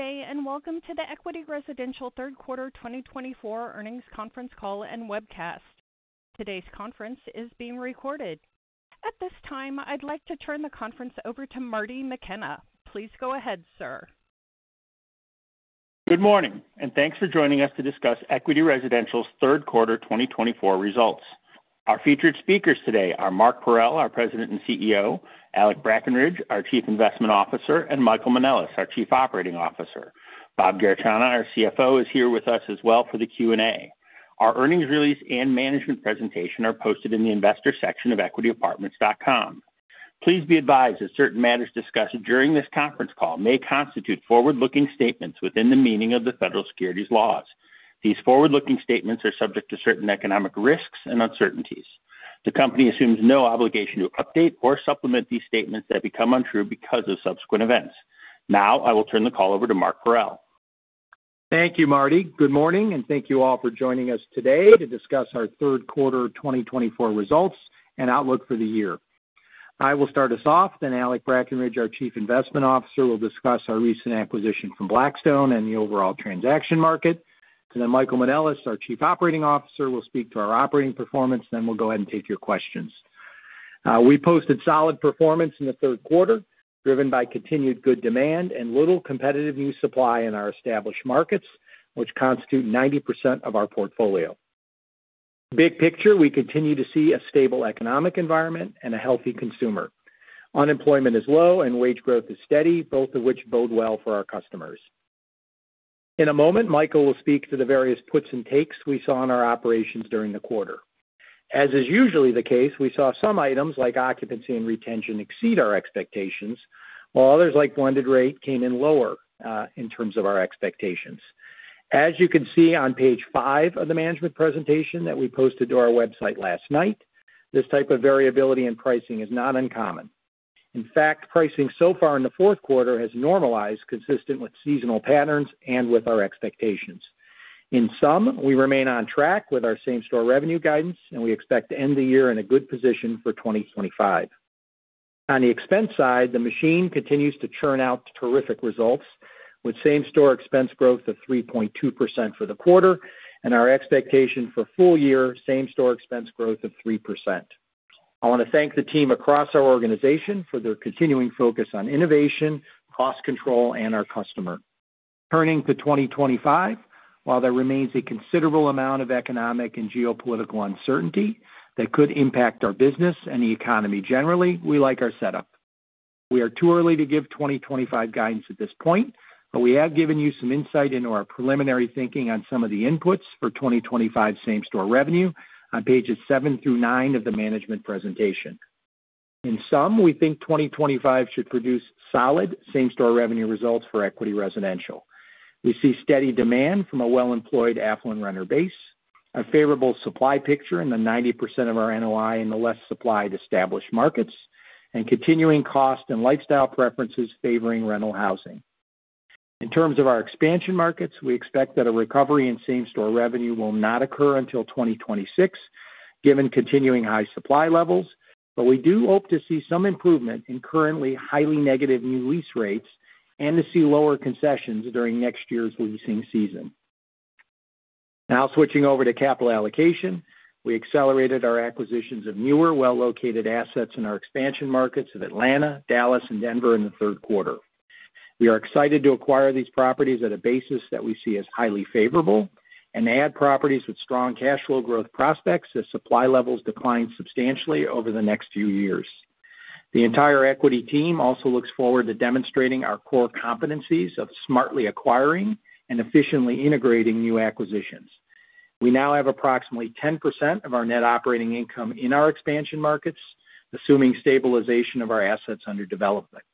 Good day, and welcome to the Equity Residential Third Quarter 2024 Earnings Conference Call and Webcast. Today's conference is being recorded. At this time, I'd like to turn the conference over to Marty McKenna. Please go ahead, sir. Good morning, and thanks for joining us to discuss Equity Residential's Third Quarter 2024 results. Our featured speakers today are Mark Parrell, our President and CEO; Alec Brackenridge, our Chief Investment Officer; and Michael Manelis, our Chief Operating Officer. Bob Garechana, our CFO, is here with us as well for the Q&A. Our earnings release and management presentation are posted in the investor section of equityapartments.com. Please be advised that certain matters discussed during this conference call may constitute forward-looking statements within the meaning of the federal securities laws. These forward-looking statements are subject to certain economic risks and uncertainties. The company assumes no obligation to update or supplement these statements that become untrue because of subsequent events. Now, I will turn the call over to Mark Parrell. Thank you, Marty. Good morning, and thank you all for joining us today to discuss our Third Quarter 2024 results and outlook for the year. I will start us off. Then, Alec Brackenridge, our Chief Investment Officer, will discuss our recent acquisition from Blackstone and the overall transaction market. Then, Michael Manelis, our Chief Operating Officer, will speak to our operating performance, and then we'll go ahead and take your questions. We posted solid performance in the third quarter, driven by continued good demand and little competitive new supply in our established markets, which constitute 90% of our portfolio. Big picture, we continue to see a stable economic environment and a healthy consumer. Unemployment is low, and wage growth is steady, both of which bode well for our customers. In a moment, Michael will speak to the various puts and takes we saw in our operations during the quarter. As is usually the case, we saw some items like occupancy and retention exceed our expectations, while others like blended rate came in lower in terms of our expectations. As you can see on page five of the management presentation that we posted to our website last night, this type of variability in pricing is not uncommon. In fact, pricing so far in the fourth quarter has normalized consistent with seasonal patterns and with our expectations. In sum, we remain on track with our same-store revenue guidance, and we expect to end the year in a good position for 2025. On the expense side, the machine continues to churn out terrific results, with same-store expense growth of 3.2% for the quarter and our expectation for full-year same-store expense growth of 3%. I want to thank the team across our organization for their continuing focus on innovation, cost control, and our customer. Turning to 2025, while there remains a considerable amount of economic and geopolitical uncertainty that could impact our business and the economy generally, we like our setup. We are too early to give 2025 guidance at this point, but we have given you some insight into our preliminary thinking on some of the inputs for 2025 same-store revenue on pages seven through nine of the management presentation. In sum, we think 2025 should produce solid same-store revenue results for Equity Residential. We see steady demand from a well-employed affluent renter base, a favorable supply picture in the 90% of our NOI in the less supplied established markets, and continuing cost and lifestyle preferences favoring rental housing. In terms of our expansion markets, we expect that a recovery in same-store revenue will not occur until 2026, given continuing high supply levels, but we do hope to see some improvement in currently highly negative new lease rates and to see lower concessions during next year's leasing season. Now, switching over to capital allocation, we accelerated our acquisitions of newer, well-located assets in our expansion markets of Atlanta, Dallas, and Denver in the third quarter. We are excited to acquire these properties at a basis that we see as highly favorable and add properties with strong cash flow growth prospects as supply levels decline substantially over the next few years. The entire equity team also looks forward to demonstrating our core competencies of smartly acquiring and efficiently integrating new acquisitions. We now have approximately 10% of our net operating income in our expansion markets, assuming stabilization of our assets under development.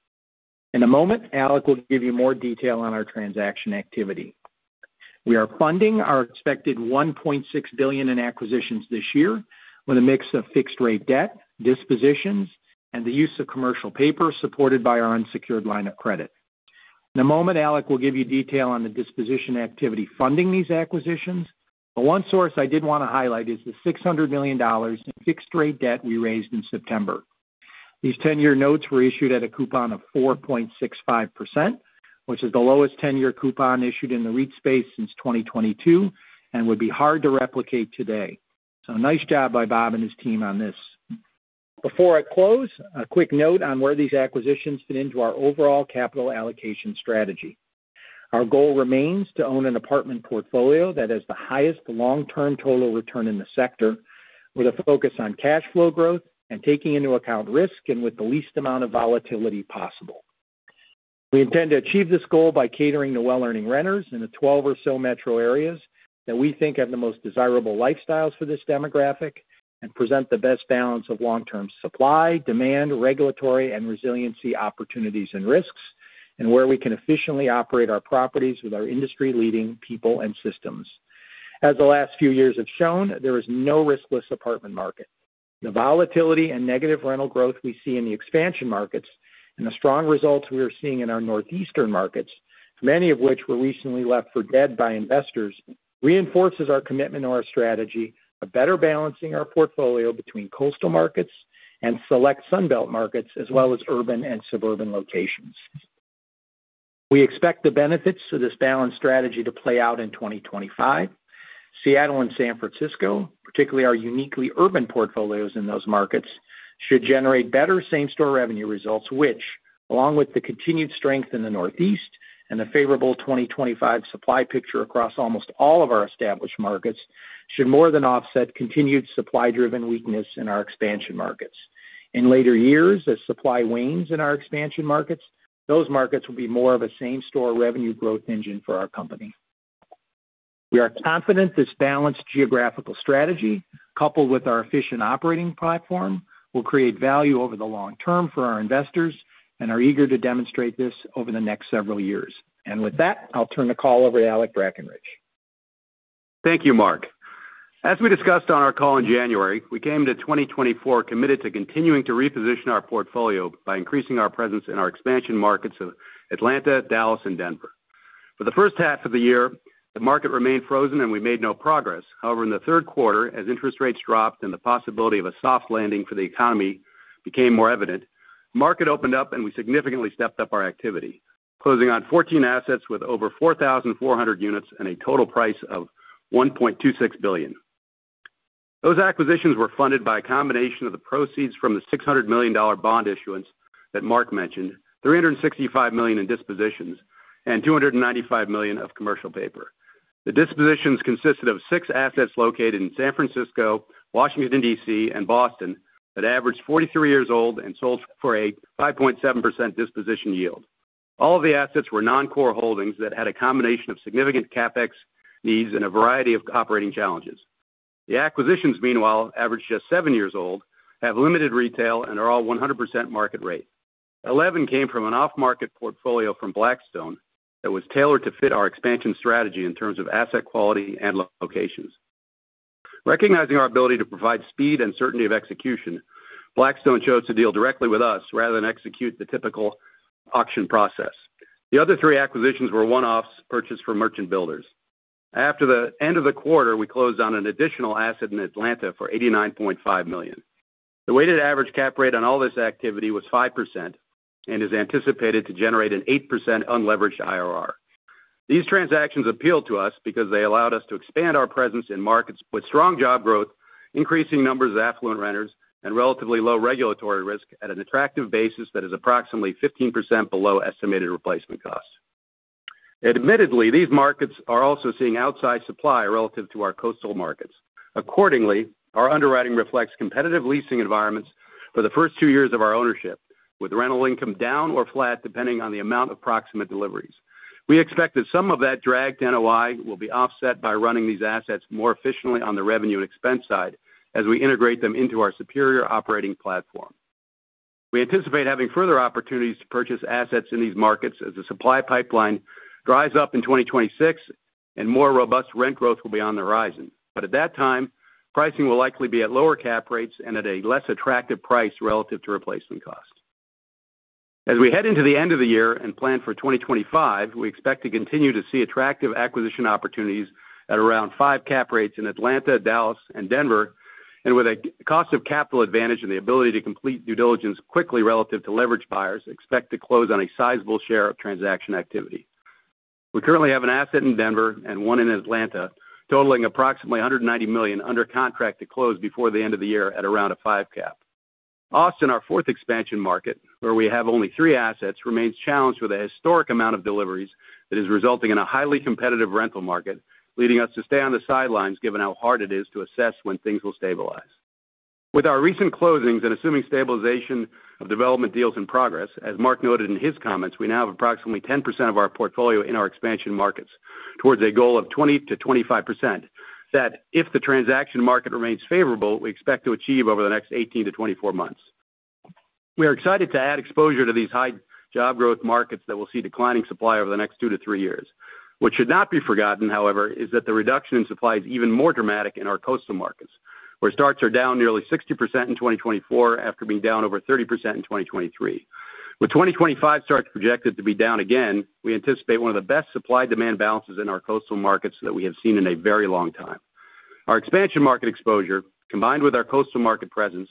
In a moment, Alec will give you more detail on our transaction activity. We are funding our expected $1.6 billion in acquisitions this year with a mix of fixed-rate debt, dispositions, and the use of commercial paper supported by our unsecured line of credit. In a moment, Alec will give you detail on the disposition activity funding these acquisitions, but one source I did want to highlight is the $600 million in fixed-rate debt we raised in September. These 10-year notes were issued at a coupon of 4.65%, which is the lowest 10-year coupon issued in the REIT space since 2022 and would be hard to replicate today. So, nice job by Bob and his team on this. Before I close, a quick note on where these acquisitions fit into our overall capital allocation strategy. Our goal remains to own an apartment portfolio that has the highest long-term total return in the sector, with a focus on cash flow growth and taking into account risk and with the least amount of volatility possible. We intend to achieve this goal by catering to well-earning renters in the 12 or so metro areas that we think have the most desirable lifestyles for this demographic and present the best balance of long-term supply, demand, regulatory, and resiliency opportunities and risks, and where we can efficiently operate our properties with our industry-leading people and systems. As the last few years have shown, there is no riskless apartment market. The volatility and negative rental growth we see in the expansion markets and the strong results we are seeing in our northeastern markets, many of which were recently left for dead by investors, reinforces our commitment to our strategy of better balancing our portfolio between coastal markets and select Sunbelt markets, as well as urban and suburban locations. We expect the benefits of this balanced strategy to play out in 2025. Seattle and San Francisco, particularly our uniquely urban portfolios in those markets, should generate better same-store revenue results, which, along with the continued strength in the Northeast and the favorable 2025 supply picture across almost all of our established markets, should more than offset continued supply-driven weakness in our expansion markets. In later years, as supply wanes in our expansion markets, those markets will be more of a same-store revenue growth engine for our company. We are confident this balanced geographical strategy, coupled with our efficient operating platform, will create value over the long term for our investors and are eager to demonstrate this over the next several years. And with that, I'll turn the call over to Alec Brackenridge. Thank you, Mark. As we discussed on our call in January, we came to 2024 committed to continuing to reposition our portfolio by increasing our presence in our expansion markets of Atlanta, Dallas, and Denver. For the first half of the year, the market remained frozen and we made no progress. However, in the third quarter, as interest rates dropped and the possibility of a soft landing for the economy became more evident, the market opened up and we significantly stepped up our activity, closing on 14 assets with over 4,400 units and a total price of $1.26 billion. Those acquisitions were funded by a combination of the proceeds from the $600 million bond issuance that Mark mentioned, $365 million in dispositions, and $295 million of commercial paper. The dispositions consisted of six assets located in San Francisco, Washington, D.C., and Boston that averaged 43 years old and sold for a 5.7% disposition yield. All of the assets were non-core holdings that had a combination of significant CapEx needs and a variety of operating challenges. The acquisitions, meanwhile, averaged just seven years old, have limited retail, and are all 100% market rate. 11 came from an off-market portfolio from Blackstone that was tailored to fit our expansion strategy in terms of asset quality and locations. Recognizing our ability to provide speed and certainty of execution, Blackstone chose to deal directly with us rather than execute the typical auction process. The other three acquisitions were one-offs purchased from merchant builders. After the end of the quarter, we closed on an additional asset in Atlanta for $89.5 million. The weighted average cap rate on all this activity was 5% and is anticipated to generate an 8% unleveraged IRR. These transactions appealed to us because they allowed us to expand our presence in markets with strong job growth, increasing numbers of affluent renters, and relatively low regulatory risk at an attractive basis that is approximately 15% below estimated replacement cost. Admittedly, these markets are also seeing outside supply relative to our coastal markets. Accordingly, our underwriting reflects competitive leasing environments for the first two years of our ownership, with rental income down or flat depending on the amount of proximate deliveries. We expect that some of that dragged NOI will be offset by running these assets more efficiently on the revenue and expense side as we integrate them into our superior operating platform. We anticipate having further opportunities to purchase assets in these markets as the supply pipeline dries up in 2026 and more robust rent growth will be on the horizon. But at that time, pricing will likely be at lower cap rates and at a less attractive price relative to replacement cost. As we head into the end of the year and plan for 2025, we expect to continue to see attractive acquisition opportunities at around five cap rates in Atlanta, Dallas, and Denver, and with a cost of capital advantage and the ability to complete due diligence quickly relative to leveraged buyers, expect to close on a sizable share of transaction activity. We currently have an asset in Denver and one in Atlanta, totaling approximately $190 million under contract to close before the end of the year at around a five cap. Austin, our fourth expansion market, where we have only three assets, remains challenged with a historic amount of deliveries that is resulting in a highly competitive rental market, leading us to stay on the sidelines given how hard it is to assess when things will stabilize. With our recent closings and assuming stabilization of development deals in progress, as Mark noted in his comments, we now have approximately 10% of our portfolio in our expansion markets towards a goal of 20%-25% that, if the transaction market remains favorable, we expect to achieve over the next 18-24 months. We are excited to add exposure to these high job growth markets that will see declining supply over the next two to three years. What should not be forgotten, however, is that the reduction in supply is even more dramatic in our coastal markets, where starts are down nearly 60% in 2024 after being down over 30% in 2023. With 2025 starts projected to be down again, we anticipate one of the best supply-demand balances in our coastal markets that we have seen in a very long time. Our expansion market exposure, combined with our coastal market presence,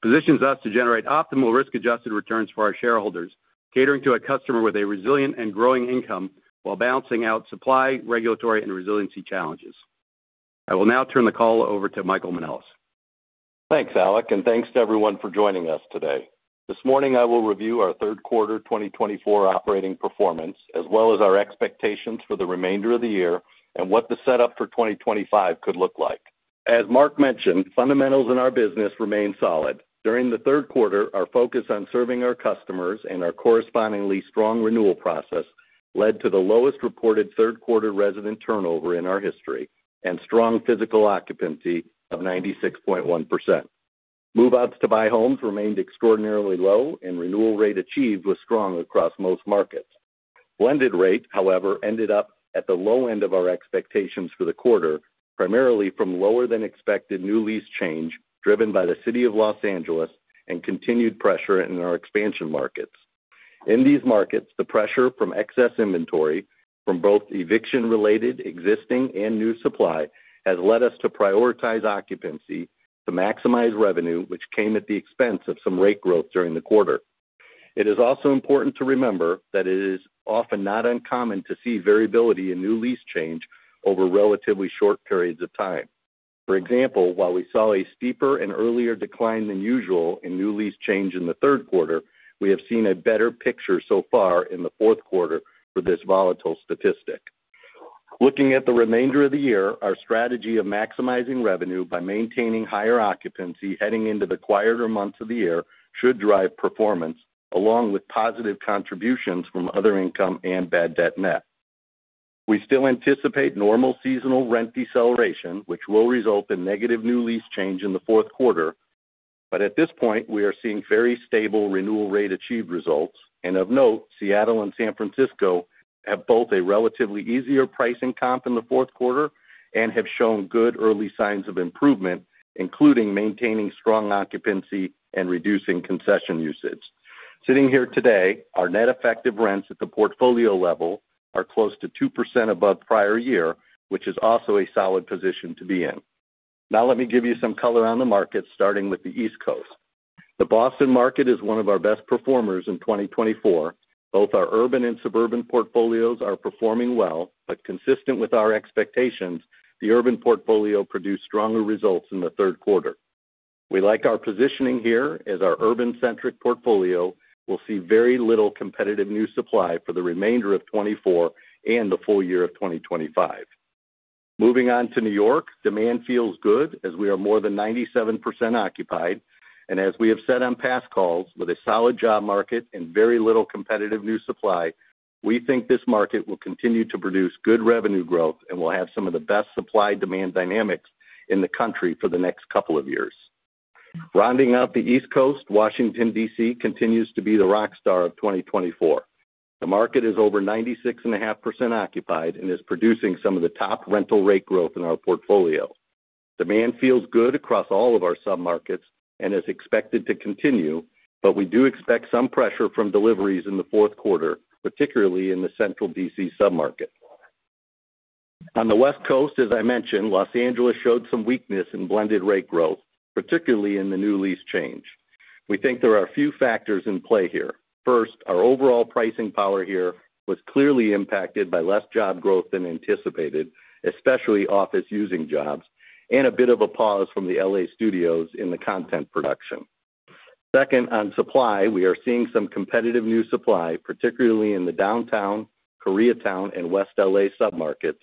positions us to generate optimal risk-adjusted returns for our shareholders, catering to a customer with a resilient and growing income while balancing out supply, regulatory, and resiliency challenges. I will now turn the call over to Michael Manelis. Thanks, Alec, and thanks to everyone for joining us today. This morning, I will review our third quarter 2024 operating performance, as well as our expectations for the remainder of the year and what the setup for 2025 could look like. As Mark mentioned, fundamentals in our business remain solid. During the third quarter, our focus on serving our customers and our correspondingly strong renewal process led to the lowest reported third-quarter resident turnover in our history and strong physical occupancy of 96.1%. Move-outs to buy homes remained extraordinarily low, and renewal rate achieved was strong across most markets. Blended rate, however, ended up at the low end of our expectations for the quarter, primarily from lower-than-expected new lease change driven by the city of Los Angeles and continued pressure in our expansion markets. In these markets, the pressure from excess inventory from both eviction-related, existing, and new supply has led us to prioritize occupancy to maximize revenue, which came at the expense of some rate growth during the quarter. It is also important to remember that it is often not uncommon to see variability in new lease change over relatively short periods of time. For example, while we saw a steeper and earlier decline than usual in new lease change in the third quarter, we have seen a better picture so far in the fourth quarter for this volatile statistic. Looking at the remainder of the year, our strategy of maximizing revenue by maintaining higher occupancy heading into the quieter months of the year should drive performance, along with positive contributions from other income and bad debt net. We still anticipate normal seasonal rent deceleration, which will result in negative new lease change in the fourth quarter, but at this point, we are seeing very stable renewal rate achieved results, and of note, Seattle and San Francisco have both a relatively easier pricing comp in the fourth quarter and have shown good early signs of improvement, including maintaining strong occupancy and reducing concession usage. Sitting here today, our net effective rents at the portfolio level are close to 2% above prior year, which is also a solid position to be in. Now, let me give you some color on the market, starting with the East Coast. The Boston market is one of our best performers in 2024. Both our urban and suburban portfolios are performing well, but consistent with our expectations, the urban portfolio produced stronger results in the third quarter. We like our positioning here as our urban-centric portfolio will see very little competitive new supply for the remainder of 2024 and the full year of 2025. Moving on to New York, demand feels good as we are more than 97% occupied, and as we have said on past calls, with a solid job market and very little competitive new supply, we think this market will continue to produce good revenue growth and will have some of the best supply-demand dynamics in the country for the next couple of years. Rounding out the East Coast, Washington, D.C. continues to be the rock star of 2024. The market is over 96.5% occupied and is producing some of the top rental rate growth in our portfolio. Demand feels good across all of our submarkets and is expected to continue, but we do expect some pressure from deliveries in the fourth quarter, particularly in the central D.C. submarket. On the West Coast, as I mentioned, Los Angeles showed some weakness in blended rate growth, particularly in the new lease change. We think there are a few factors in play here. First, our overall pricing power here was clearly impacted by less job growth than anticipated, especially office-using jobs, and a bit of a pause from the L.A. studios in the content production. Second, on supply, we are seeing some competitive new supply, particularly in the downtown, Koreatown, and West L.A. submarkets,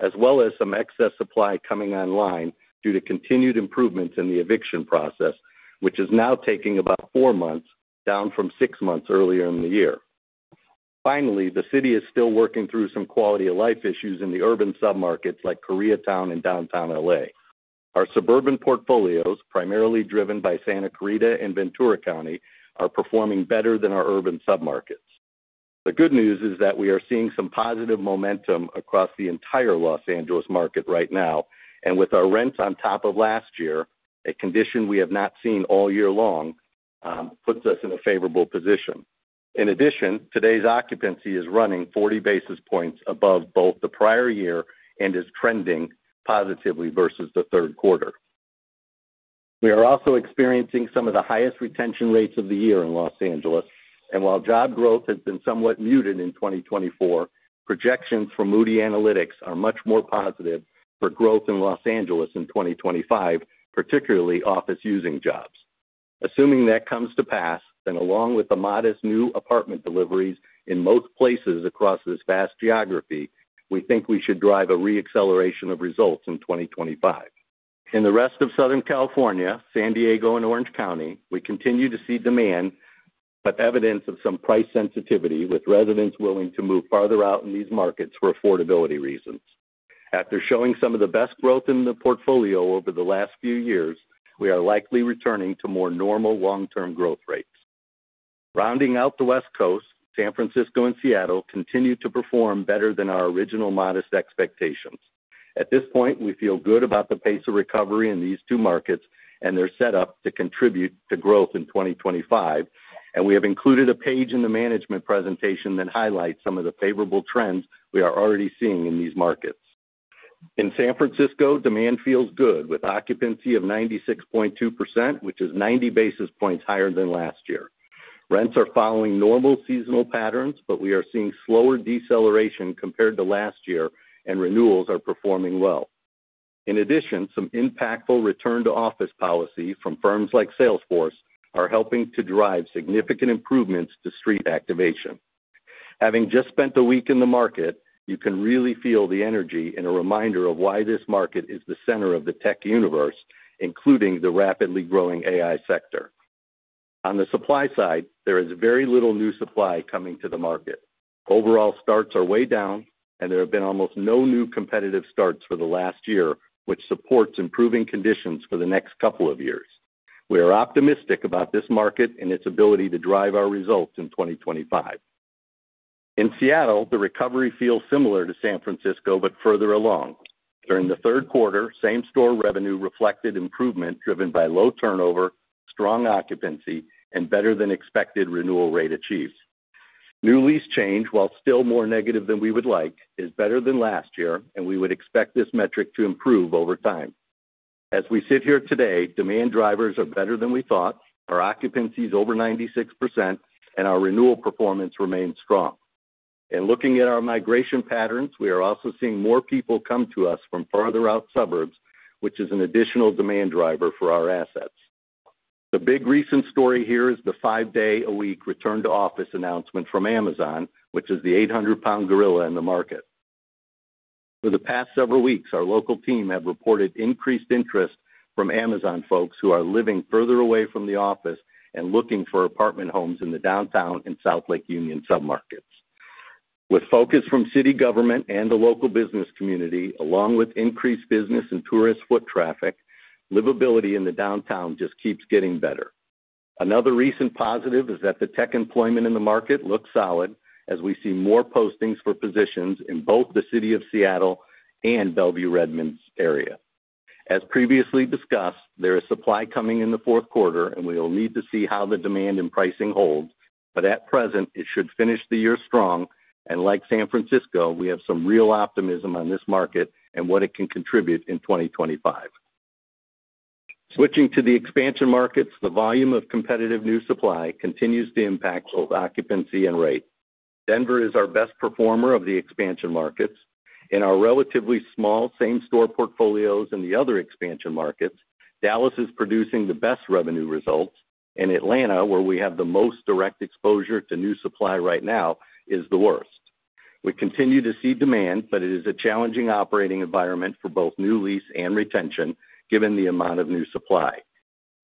as well as some excess supply coming online due to continued improvements in the eviction process, which is now taking about four months, down from six months earlier in the year. Finally, the city is still working through some quality-of-life issues in the urban submarkets like Koreatown and downtown L.A. Our suburban portfolios, primarily driven by Santa Clarita and Ventura County, are performing better than our urban submarkets. The good news is that we are seeing some positive momentum across the entire Los Angeles market right now, and with our rents on top of last year, a condition we have not seen all year long, puts us in a favorable position. In addition, today's occupancy is running 40 basis points above both the prior year and is trending positively versus the third quarter. We are also experiencing some of the highest retention rates of the year in Los Angeles, and while job growth has been somewhat muted in 2024, projections from Moody's Analytics are much more positive for growth in Los Angeles in 2025, particularly office-using jobs. Assuming that comes to pass, then along with the modest new apartment deliveries in most places across this vast geography, we think we should drive a re-acceleration of results in 2025. In the rest of Southern California, San Diego, and Orange County, we continue to see demand, but evidence of some price sensitivity with residents willing to move farther out in these markets for affordability reasons. After showing some of the best growth in the portfolio over the last few years, we are likely returning to more normal long-term growth rates. Rounding out the West Coast, San Francisco and Seattle continue to perform better than our original modest expectations. At this point, we feel good about the pace of recovery in these two markets and their setup to contribute to growth in 2025, and we have included a page in the management presentation that highlights some of the favorable trends we are already seeing in these markets. In San Francisco, demand feels good with occupancy of 96.2%, which is 90 basis points higher than last year. Rents are following normal seasonal patterns, but we are seeing slower deceleration compared to last year, and renewals are performing well. In addition, some impactful return-to-office policy from firms like Salesforce are helping to drive significant improvements to street activation. Having just spent a week in the market, you can really feel the energy and a reminder of why this market is the center of the tech universe, including the rapidly growing AI sector. On the supply side, there is very little new supply coming to the market. Overall starts are way down, and there have been almost no new competitive starts for the last year, which supports improving conditions for the next couple of years. We are optimistic about this market and its ability to drive our results in 2025. In Seattle, the recovery feels similar to San Francisco but further along. During the third quarter, same-store revenue reflected improvement driven by low turnover, strong occupancy, and better-than-expected renewal rate achievements. New lease change, while still more negative than we would like, is better than last year, and we would expect this metric to improve over time. As we sit here today, demand drivers are better than we thought, our occupancy is over 96%, and our renewal performance remains strong. In looking at our migration patterns, we are also seeing more people come to us from farther-out suburbs, which is an additional demand driver for our assets. The big recent story here is the five-day-a-week return-to-office announcement from Amazon, which is the 800-pound gorilla in the market. For the past several weeks, our local team has reported increased interest from Amazon folks who are living further away from the office and looking for apartment homes in the downtown and South Lake Union submarkets. With focus from city government and the local business community, along with increased business and tourist foot traffic, livability in the downtown just keeps getting better. Another recent positive is that the tech employment in the market looks solid as we see more postings for positions in both the city of Seattle and Bellevue-Redmond area. As previously discussed, there is supply coming in the fourth quarter, and we will need to see how the demand and pricing hold, but at present, it should finish the year strong, and like San Francisco, we have some real optimism on this market and what it can contribute in 2025. Switching to the expansion markets, the volume of competitive new supply continues to impact both occupancy and rate. Denver is our best performer of the expansion markets. In our relatively small same-store portfolios and the other expansion markets, Dallas is producing the best revenue results, and Atlanta, where we have the most direct exposure to new supply right now, is the worst. We continue to see demand, but it is a challenging operating environment for both new lease and retention given the amount of new supply.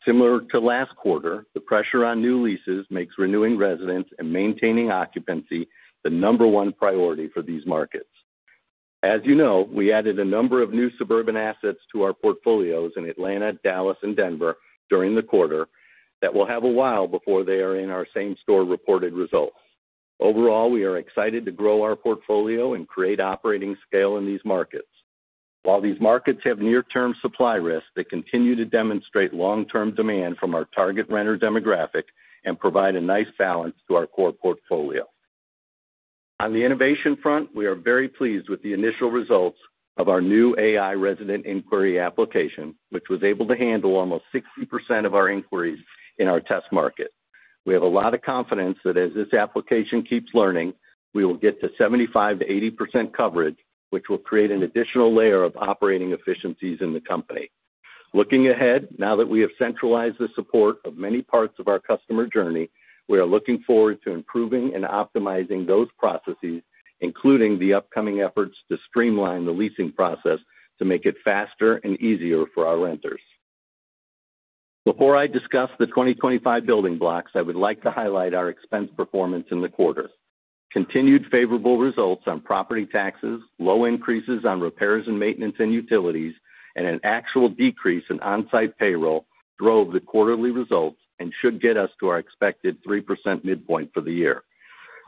Similar to last quarter, the pressure on new leases makes renewing residents and maintaining occupancy the number one priority for these markets. As you know, we added a number of new suburban assets to our portfolios in Atlanta, Dallas, and Denver during the quarter that will have a while before they are in our same-store reported results. Overall, we are excited to grow our portfolio and create operating scale in these markets. While these markets have near-term supply risk, they continue to demonstrate long-term demand from our target renter demographic and provide a nice balance to our core portfolio. On the innovation front, we are very pleased with the initial results of our new AI resident inquiry application, which was able to handle almost 60% of our inquiries in our test market. We have a lot of confidence that as this application keeps learning, we will get to 75%-80% coverage, which will create an additional layer of operating efficiencies in the company. Looking ahead, now that we have centralized the support of many parts of our customer journey, we are looking forward to improving and optimizing those processes, including the upcoming efforts to streamline the leasing process to make it faster and easier for our renters. Before I discuss the 2025 building blocks, I would like to highlight our expense performance in the quarters. Continued favorable results on property taxes, low increases on repairs and maintenance and utilities, and an actual decrease in on-site payroll drove the quarterly results and should get us to our expected 3% midpoint for the year.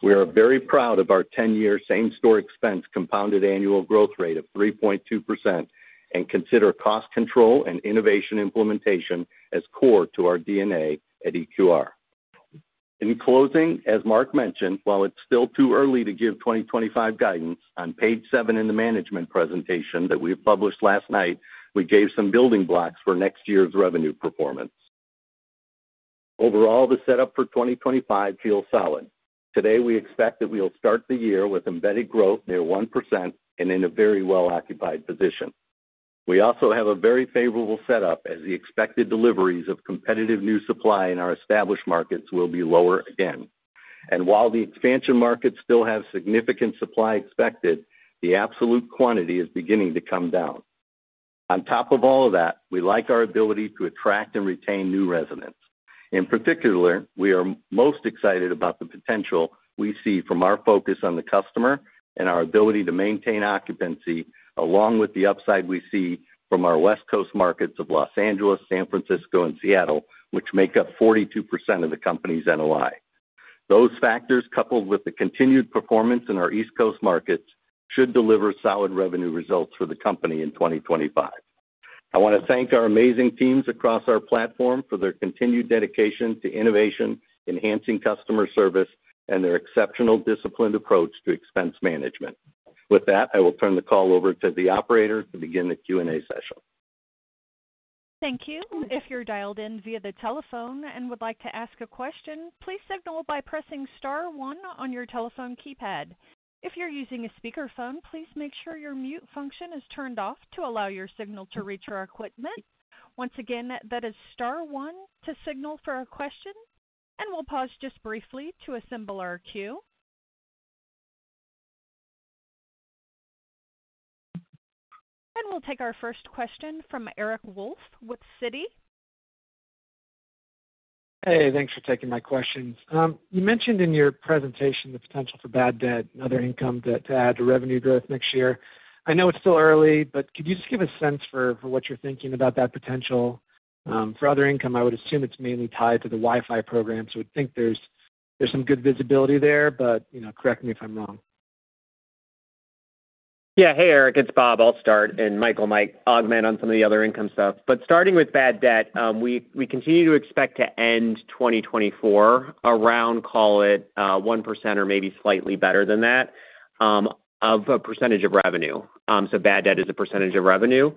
We are very proud of our 10-year same-store expense compounded annual growth rate of 3.2% and consider cost control and innovation implementation as core to our DNA at EQR. In closing, as Mark mentioned, while it's still too early to give 2025 guidance, on page seven in the management presentation that we published last night, we gave some building blocks for next year's revenue performance. Overall, the setup for 2025 feels solid. Today, we expect that we will start the year with embedded growth near 1% and in a very well-occupied position. We also have a very favorable setup as the expected deliveries of competitive new supply in our established markets will be lower again. And while the expansion markets still have significant supply expected, the absolute quantity is beginning to come down. On top of all of that, we like our ability to attract and retain new residents. In particular, we are most excited about the potential we see from our focus on the customer and our ability to maintain occupancy, along with the upside we see from our West Coast markets of Los Angeles, San Francisco, and Seattle, which make up 42% of the company's NOI. Those factors, coupled with the continued performance in our East Coast markets, should deliver solid revenue results for the company in 2025. I want to thank our amazing teams across our platform for their continued dedication to innovation, enhancing customer service, and their exceptional disciplined approach to expense management. With that, I will turn the call over to the operator to begin the Q&A session. Thank you. If you're dialed in via the telephone and would like to ask a question, please signal by pressing Star 1 on your telephone keypad. If you're using a speakerphone, please make sure your mute function is turned off to allow your signal to reach your equipment. Once again, that is Star 1 to signal for a question, and we'll pause just briefly to assemble our queue. We'll take our first question from Eric Wolfe with Citi. Hey, thanks for taking my questions. You mentioned in your presentation the potential for bad debt and other income to add to revenue growth next year. I know it's still early, but could you just give a sense for what you're thinking about that potential? For other income, I would assume it's mainly tied to the Wi-Fi program, so I would think there's some good visibility there, but correct me if I'm wrong. Yeah, hey, Eric, it's Bob. I'll start, and Michael might augment on some of the other income stuff. But starting with bad debt, we continue to expect to end 2024 around, call it, 1% or maybe slightly better than that of a percentage of revenue. So bad debt is a percentage of revenue.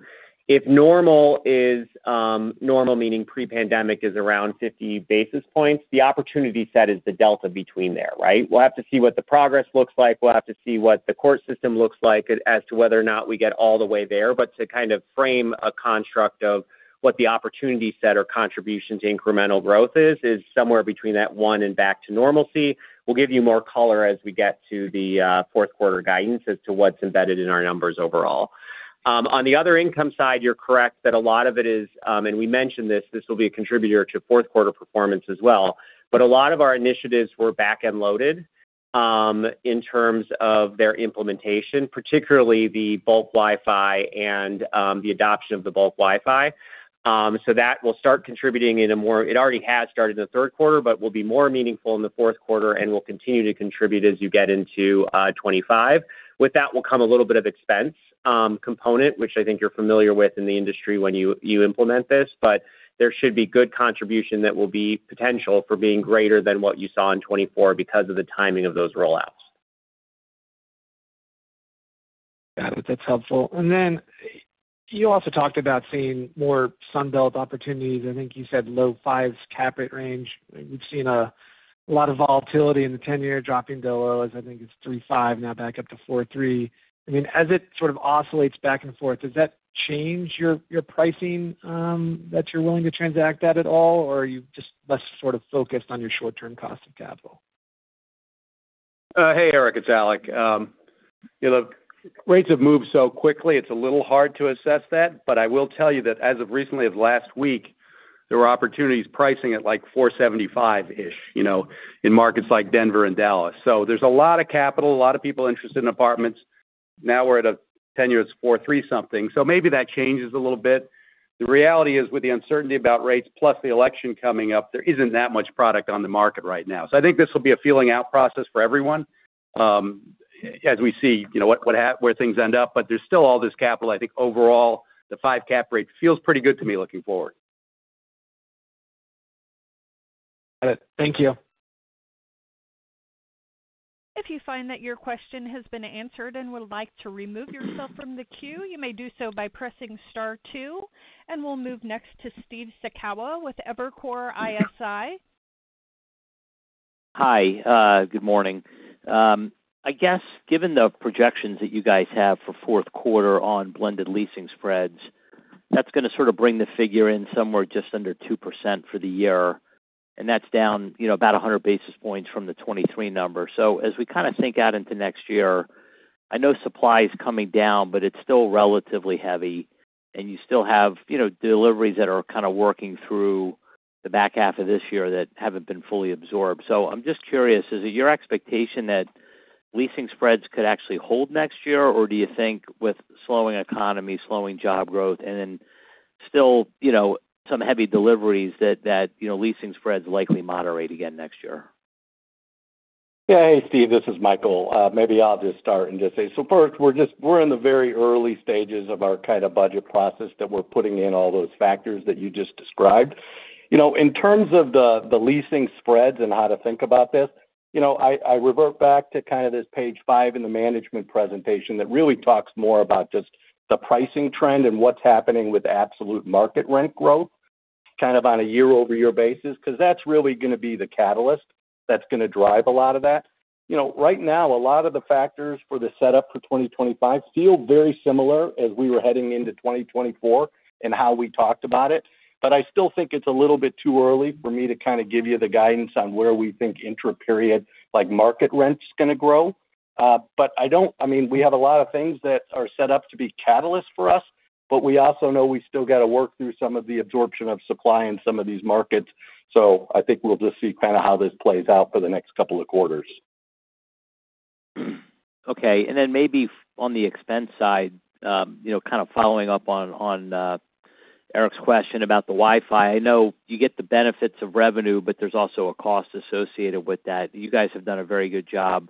If normal is normal, meaning pre-pandemic is around 50 basis points, the opportunity set is the delta between there, right? We'll have to see what the progress looks like. We'll have to see what the court system looks like as to whether or not we get all the way there. But to kind of frame a construct of what the opportunity set or contribution to incremental growth is, is somewhere between that 1% and back to normalcy. We'll give you more color as we get to the fourth quarter guidance as to what's embedded in our numbers overall. On the other income side, you're correct that a lot of it is, and we mentioned this. This will be a contributor to fourth quarter performance as well, but a lot of our initiatives were back-end loaded in terms of their implementation, particularly the bulk Wi-Fi and the adoption of the bulk Wi-Fi. So that will start contributing in a more meaningful way. It already has started in the third quarter, but will be more meaningful in the fourth quarter, and will continue to contribute as you get into 2025. With that will come a little bit of expense component, which I think you're familiar with in the industry when you implement this, but there should be good contribution that will be potential for being greater than what you saw in 2024 because of the timing of those rollouts. Got it. That's helpful. And then you also talked about seeing more Sunbelt opportunities. I think you said low 5's cap rate range. We've seen a lot of volatility in the 10-year dropping to low as I think it's 3.5 now, back up to 4.3. I mean, as it sort of oscillates back and forth, does that change your pricing that you're willing to transact at at all, or are you just less sort of focused on your short-term cost of capital? Hey, Eric, it's Alec. Rates have moved so quickly, it's a little hard to assess that, but I will tell you that as of recently, as last week, there were opportunities pricing at like 4.75-ish in markets like Denver and Dallas. So there's a lot of capital, a lot of people interested in apartments. Now we're at a 10-year that's 4.3 something, so maybe that changes a little bit. The reality is, with the uncertainty about rates plus the election coming up, there isn't that much product on the market right now. So I think this will be a feeling-out process for everyone as we see where things end up, but there's still all this capital. I think overall, the 5-cap rate feels pretty good to me looking forward. Got it. Thank you. If you find that your question has been answered and would like to remove yourself from the queue, you may do so by pressing Star 2, and we'll move next to Steve Sakwa with Evercore ISI. Hi. Good morning. I guess given the projections that you guys have for fourth quarter on blended leasing spreads, that's going to sort of bring the figure in somewhere just under 2% for the year, and that's down about 100 basis points from the 2023 number. So as we kind of think out into next year, I know supply is coming down, but it's still relatively heavy, and you still have deliveries that are kind of working through the back half of this year that haven't been fully absorbed. So I'm just curious, is it your expectation that leasing spreads could actually hold next year, or do you think with slowing economy, slowing job growth, and then still some heavy deliveries that leasing spreads likely moderate again next year? Yeah. Hey, Steve, this is Michael. Maybe I'll just start and just say, so first, we're in the very early stages of our kind of budget process that we're putting in all those factors that you just described. In terms of the leasing spreads and how to think about this, I revert back to kind of this page five in the management presentation that really talks more about just the pricing trend and what's happening with absolute market rent growth kind of on a year-over-year basis because that's really going to be the catalyst that's going to drive a lot of that. Right now, a lot of the factors for the setup for 2025 feel very similar as we were heading into 2024 and how we talked about it, but I still think it's a little bit too early for me to kind of give you the guidance on where we think intra-period market rent's going to grow. But I mean, we have a lot of things that are set up to be catalysts for us, but we also know we still got to work through some of the absorption of supply in some of these markets. So I think we'll just see kind of how this plays out for the next couple of quarters. Okay. And then maybe on the expense side, kind of following up on Eric's question about the Wi-Fi, I know you get the benefits of revenue, but there's also a cost associated with that. You guys have done a very good job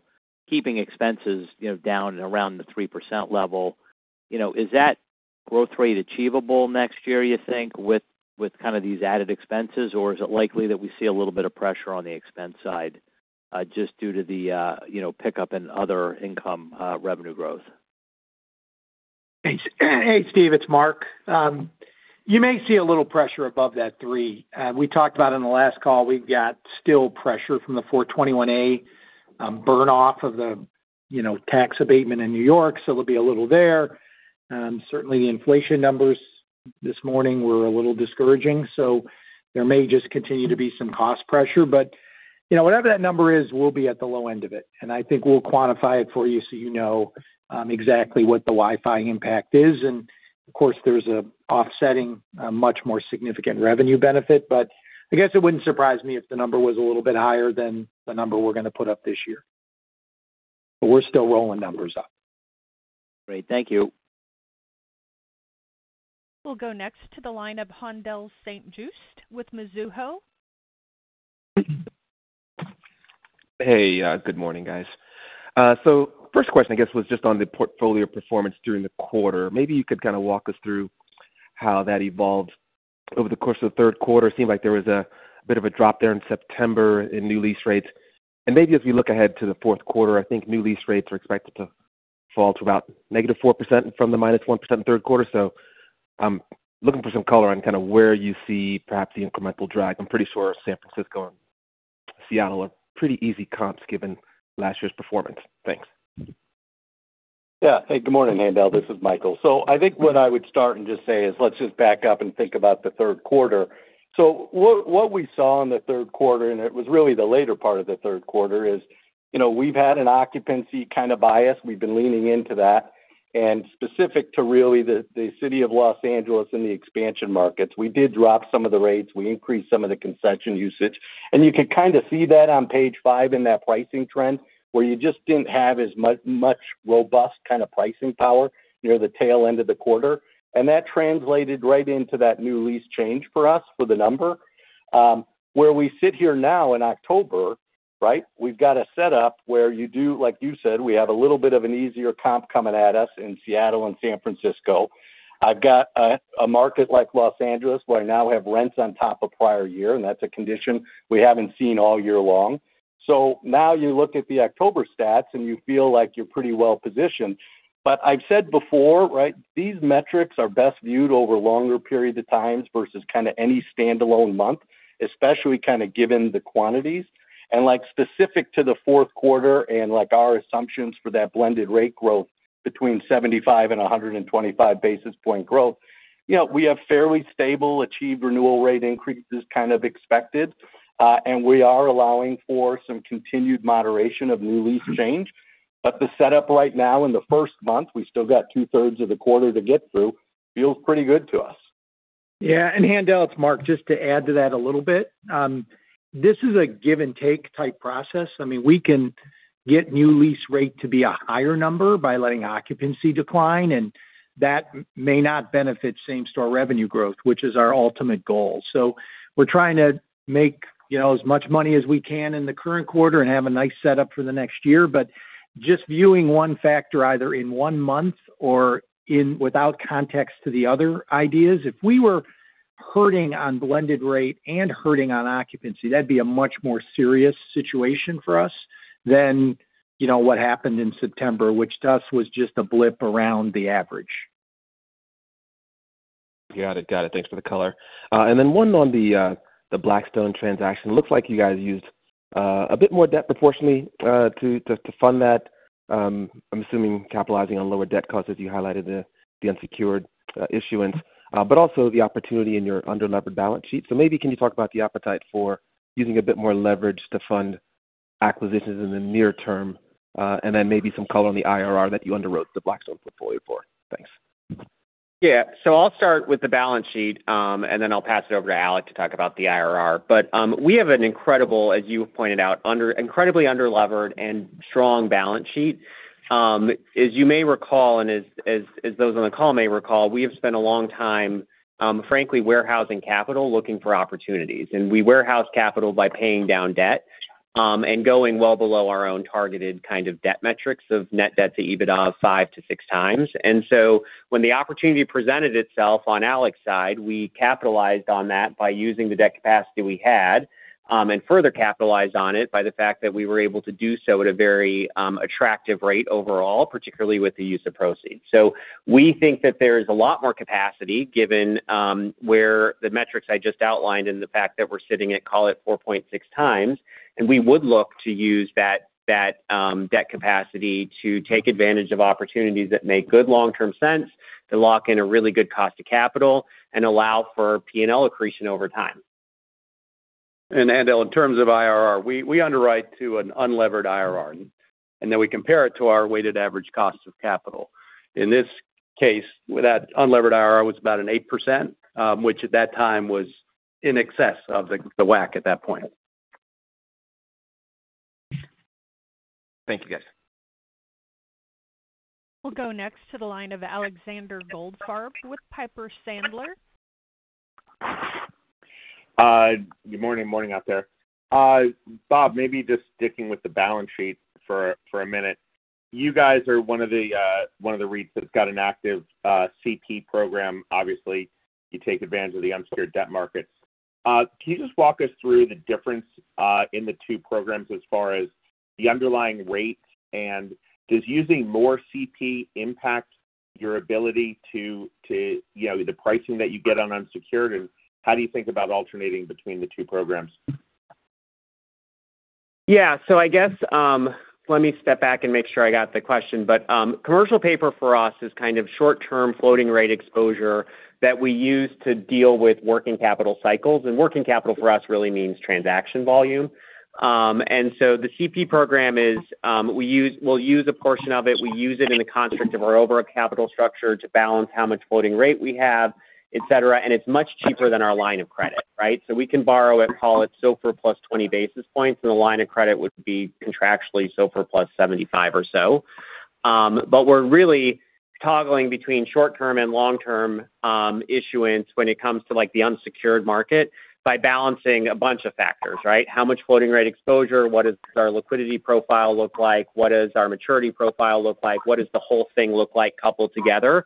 keeping expenses down and around the 3% level. Is that growth rate achievable next year, you think, with kind of these added expenses, or is it likely that we see a little bit of pressure on the expense side just due to the pickup in other income revenue growth? Hey, Steve, it's Mark. You may see a little pressure above that 3. We talked about in the last call, we've got still pressure from the 421-a burn-off of the tax abatement in New York, so it'll be a little there. Certainly, the inflation numbers this morning were a little discouraging, so there may just continue to be some cost pressure. But whatever that number is, we'll be at the low end of it, and I think we'll quantify it for you so you know exactly what the Wi-Fi impact is. And of course, there's an offsetting much more significant revenue benefit, but I guess it wouldn't surprise me if the number was a little bit higher than the number we're going to put up this year. But we're still rolling numbers up. Great. Thank you. We'll go next to the line of Haendel St. Juste with Mizuho. Hey, good morning, guys. So first question, I guess, was just on the portfolio performance during the quarter. Maybe you could kind of walk us through how that evolved over the course of the third quarter. It seemed like there was a bit of a drop there in September in new lease rates. And maybe as we look ahead to the fourth quarter, I think new lease rates are expected to fall to about -4% from the -1% in the third quarter. So I'm looking for some color on kind of where you see perhaps the incremental drag. I'm pretty sure San Francisco and Seattle are pretty easy comps given last year's performance. Thanks. Yeah. Hey, good morning, Haendel. This is Michael. So I think what I would start and just say is let's just back up and think about the third quarter. So what we saw in the third quarter, and it was really the later part of the third quarter, is we've had an occupancy kind of bias. We've been leaning into that. And specific to really the city of Los Angeles and the expansion markets, we did drop some of the rates. We increased some of the concession usage. And you could kind of see that on page five in that pricing trend where you just didn't have as much robust kind of pricing power near the tail end of the quarter. And that translated right into that new lease change for us for the number. Where we sit here now in October, right, we've got a setup where you do, like you said, we have a little bit of an easier comp coming at us in Seattle and San Francisco. I've got a market like Los Angeles where I now have rents on top of prior year, and that's a condition we haven't seen all year long. So now you look at the October stats and you feel like you're pretty well positioned. But I've said before, right, these metrics are best viewed over longer periods of time versus kind of any standalone month, especially kind of given the quantities. And specific to the fourth quarter and our assumptions for that blended rate growth between 75 and 125 basis points growth, we have fairly stable achieved renewal rate increases kind of expected, and we are allowing for some continued moderation of new lease change. But the setup right now in the first month, we still got two-thirds of the quarter to get through, feels pretty good to us. Yeah. Haendel, it's Mark, just to add to that a little bit. This is a give-and-take type process. I mean, we can get new lease rate to be a higher number by letting occupancy decline, and that may not benefit same-store revenue growth, which is our ultimate goal. So we're trying to make as much money as we can in the current quarter and have a nice setup for the next year. But just viewing one factor either in one month or without context to the other ideas, if we were hurting on blended rate and hurting on occupancy, that'd be a much more serious situation for us than what happened in September, which to us was just a blip around the average. Got it. Got it. Thanks for the color. And then one on the Blackstone transaction. It looks like you guys used a bit more debt proportionally to fund that, I'm assuming capitalizing on lower debt costs as you highlighted the unsecured issuance, but also the opportunity in your under-levered balance sheet. So maybe can you talk about the appetite for using a bit more leverage to fund acquisitions in the near term and then maybe some color on the IRR that you underwrote the Blackstone portfolio for? Thanks. Yeah. So I'll start with the balance sheet, and then I'll pass it over to Alec to talk about the IRR. But we have an incredible, as you pointed out, incredibly under-levered and strong balance sheet. As you may recall, and as those on the call may recall, we have spent a long time, frankly, warehousing capital looking for opportunities. And we warehouse capital by paying down debt and going well below our own targeted kind of debt metrics of net debt to EBITDA of five-to-six times. And so when the opportunity presented itself on Alec's side, we capitalized on that by using the debt capacity we had and further capitalized on it by the fact that we were able to do so at a very attractive rate overall, particularly with the use of proceeds. So we think that there is a lot more capacity given where the metrics I just outlined and the fact that we're sitting at, call it, 4.6 times, and we would look to use that debt capacity to take advantage of opportunities that make good long-term sense to lock in a really good cost of capital and allow for P&L accretion over time. Haendel, in terms of IRR, we underwrite to an unlevered IRR, and then we compare it to our weighted average cost of capital. In this case, that unlevered IRR was about 8%, which at that time was in excess of the WACC at that point. Thank you, guys. We'll go next to the line of Alexander Goldfarb with Piper Sandler. Good morning. Morning out there. Bob, maybe just sticking with the balance sheet for a minute. You guys are one of the REITs that's got an active CP program. Obviously, you take advantage of the unsecured debt markets. Can you just walk us through the difference in the two programs as far as the underlying rate? And does using more CP impact your ability to the pricing that you get on unsecured, and how do you think about alternating between the two programs? Yeah. I guess let me step back and make sure I got the question. But commercial paper for us is kind of short-term floating rate exposure that we use to deal with working capital cycles. And working capital for us really means transaction volume. And so the CP program is we'll use a portion of it. We use it in the construct of our overhead capital structure to balance how much floating rate we have, etc. And it's much cheaper than our line of credit, right? So we can borrow it, call it SOFR plus 20 basis points, and the line of credit would be contractually SOFR plus 75 or so. But we're really toggling between short-term and long-term issuance when it comes to the unsecured market by balancing a bunch of factors, right? How much floating rate exposure? What does our liquidity profile look like? What does our maturity profile look like? What does the whole thing look like coupled together?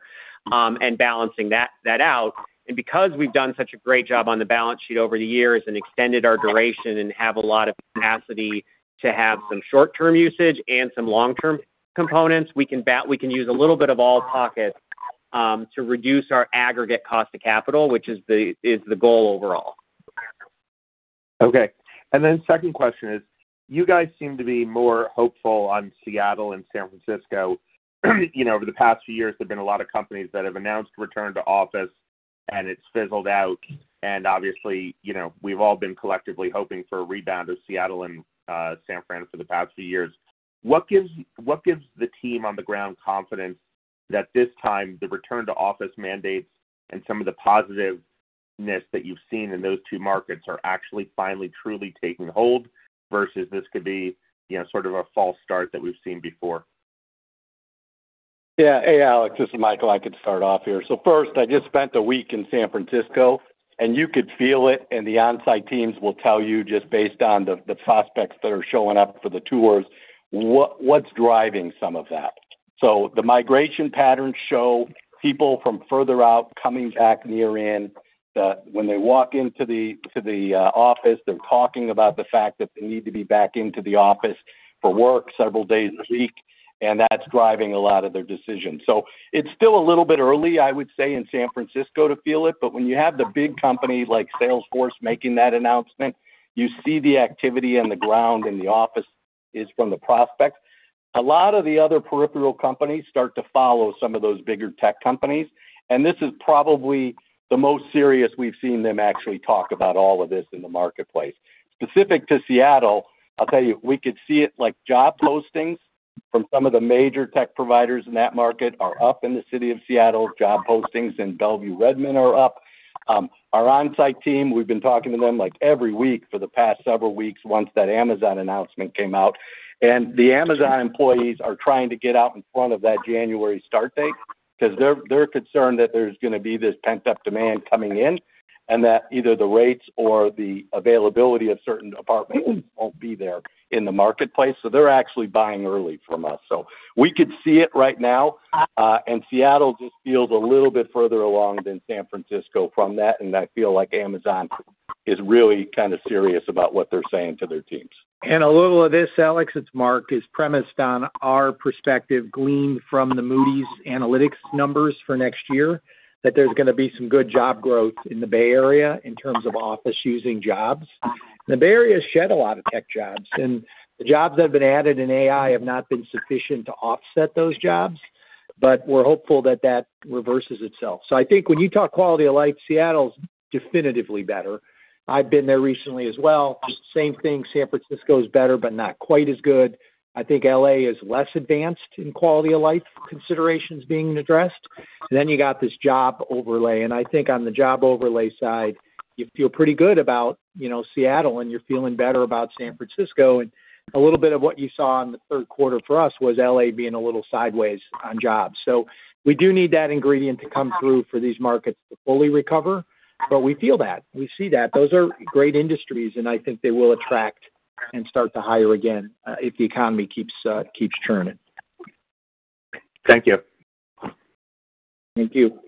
And balancing that out. And because we've done such a great job on the balance sheet over the years and extended our duration and have a lot of capacity to have some short-term usage and some long-term components, we can use a little bit of all pockets to reduce our aggregate cost of capital, which is the goal overall. Okay. And then second question is, you guys seem to be more hopeful on Seattle and San Francisco. Over the past few years, there have been a lot of companies that have announced return to office, and it's fizzled out. And obviously, we've all been collectively hoping for a rebound of Seattle and San Francisco for the past few years. What gives the team on the ground confidence that this time the return to office mandates and some of the positiveness that you've seen in those two markets are actually finally truly taking hold versus this could be sort of a false start that we've seen before? Yeah. Hey. This is Michael. I could start off here. So first, I just spent a week in San Francisco, and you could feel it, and the onsite teams will tell you just based on the prospects that are showing up for the tours, what's driving some of that. So the migration patterns show people from further out coming back near in. When they walk into the office, they're talking about the fact that they need to be back into the office for work several days a week, and that's driving a lot of their decisions. It's still a little bit early, I would say, in San Francisco to feel it. But when you have the big company like Salesforce making that announcement, you see the activity on the ground, and the office visits from the prospects. A lot of the other peripheral companies start to follow some of those bigger tech companies. And this is probably the most serious we've seen them actually talk about all of this in the marketplace. Specific to Seattle, I'll tell you, we could see it like job postings from some of the major tech providers in that market are up in the city of Seattle. Job postings in Bellevue-Redmond are up. Our onsite team, we've been talking to them every week for the past several weeks once that Amazon announcement came out. And the Amazon employees are trying to get out in front of that January start date because they're concerned that there's going to be this pent-up demand coming in and that either the rates or the availability of certain apartments won't be there in the marketplace. So they're actually buying early from us. So we could see it right now, and Seattle just feels a little bit further along than San Francisco from that. And I feel like Amazon is really kind of serious about what they're saying to their teams. And a little of this, Alex, it's Mark, is premised on our perspective gleaned from the Moody's Analytics numbers for next year, that there's going to be some good job growth in the Bay Area in terms of office-using jobs. The Bay Area has shed a lot of tech jobs, and the jobs that have been added in AI have not been sufficient to offset those jobs, but we're hopeful that that reverses itself. So I think when you talk quality of life, Seattle's definitely better. I've been there recently as well. Same thing, San Francisco is better, but not quite as good. I think LA is less advanced in quality of life considerations being addressed. Then you got this job overlay. And I think on the job overlay side, you feel pretty good about Seattle, and you're feeling better about San Francisco. And a little bit of what you saw in the third quarter for us was LA being a little sideways on jobs. So we do need that ingredient to come through for these markets to fully recover, but we feel that. We see that. Those are great industries, and I think they will attract and start to hire again if the economy keeps churning. Thank you. Thank you.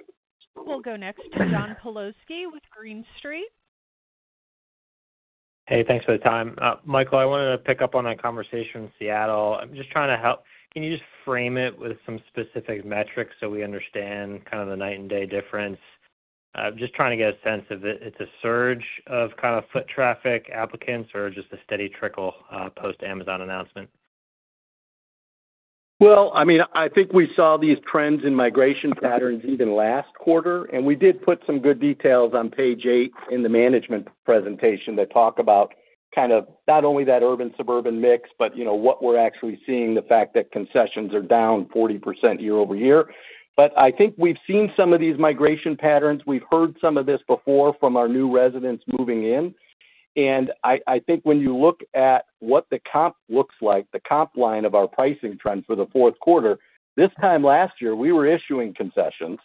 We'll go next to John Pawlowski with Green Street. Hey, thanks for the time. Michael, I wanted to pick up on that conversation in Seattle. I'm just trying to help. Can you just frame it with some specific metrics so we understand kind of the night-and-day difference? Just trying to get a sense of it's a surge of kind of foot traffic applicants or just a steady trickle post-Amazon announcement? Well, I mean, I think we saw these trends in migration patterns even last quarter, and we did put some good details on page eight in the management presentation that talk about kind of not only that urban-suburban mix, but what we're actually seeing, the fact that concessions are down 40% year over year. But I think we've seen some of these migration patterns. We've heard some of this before from our new residents moving in. And I think when you look at what the comp looks like, the comp line of our pricing trend for the fourth quarter, this time last year, we were issuing concessions,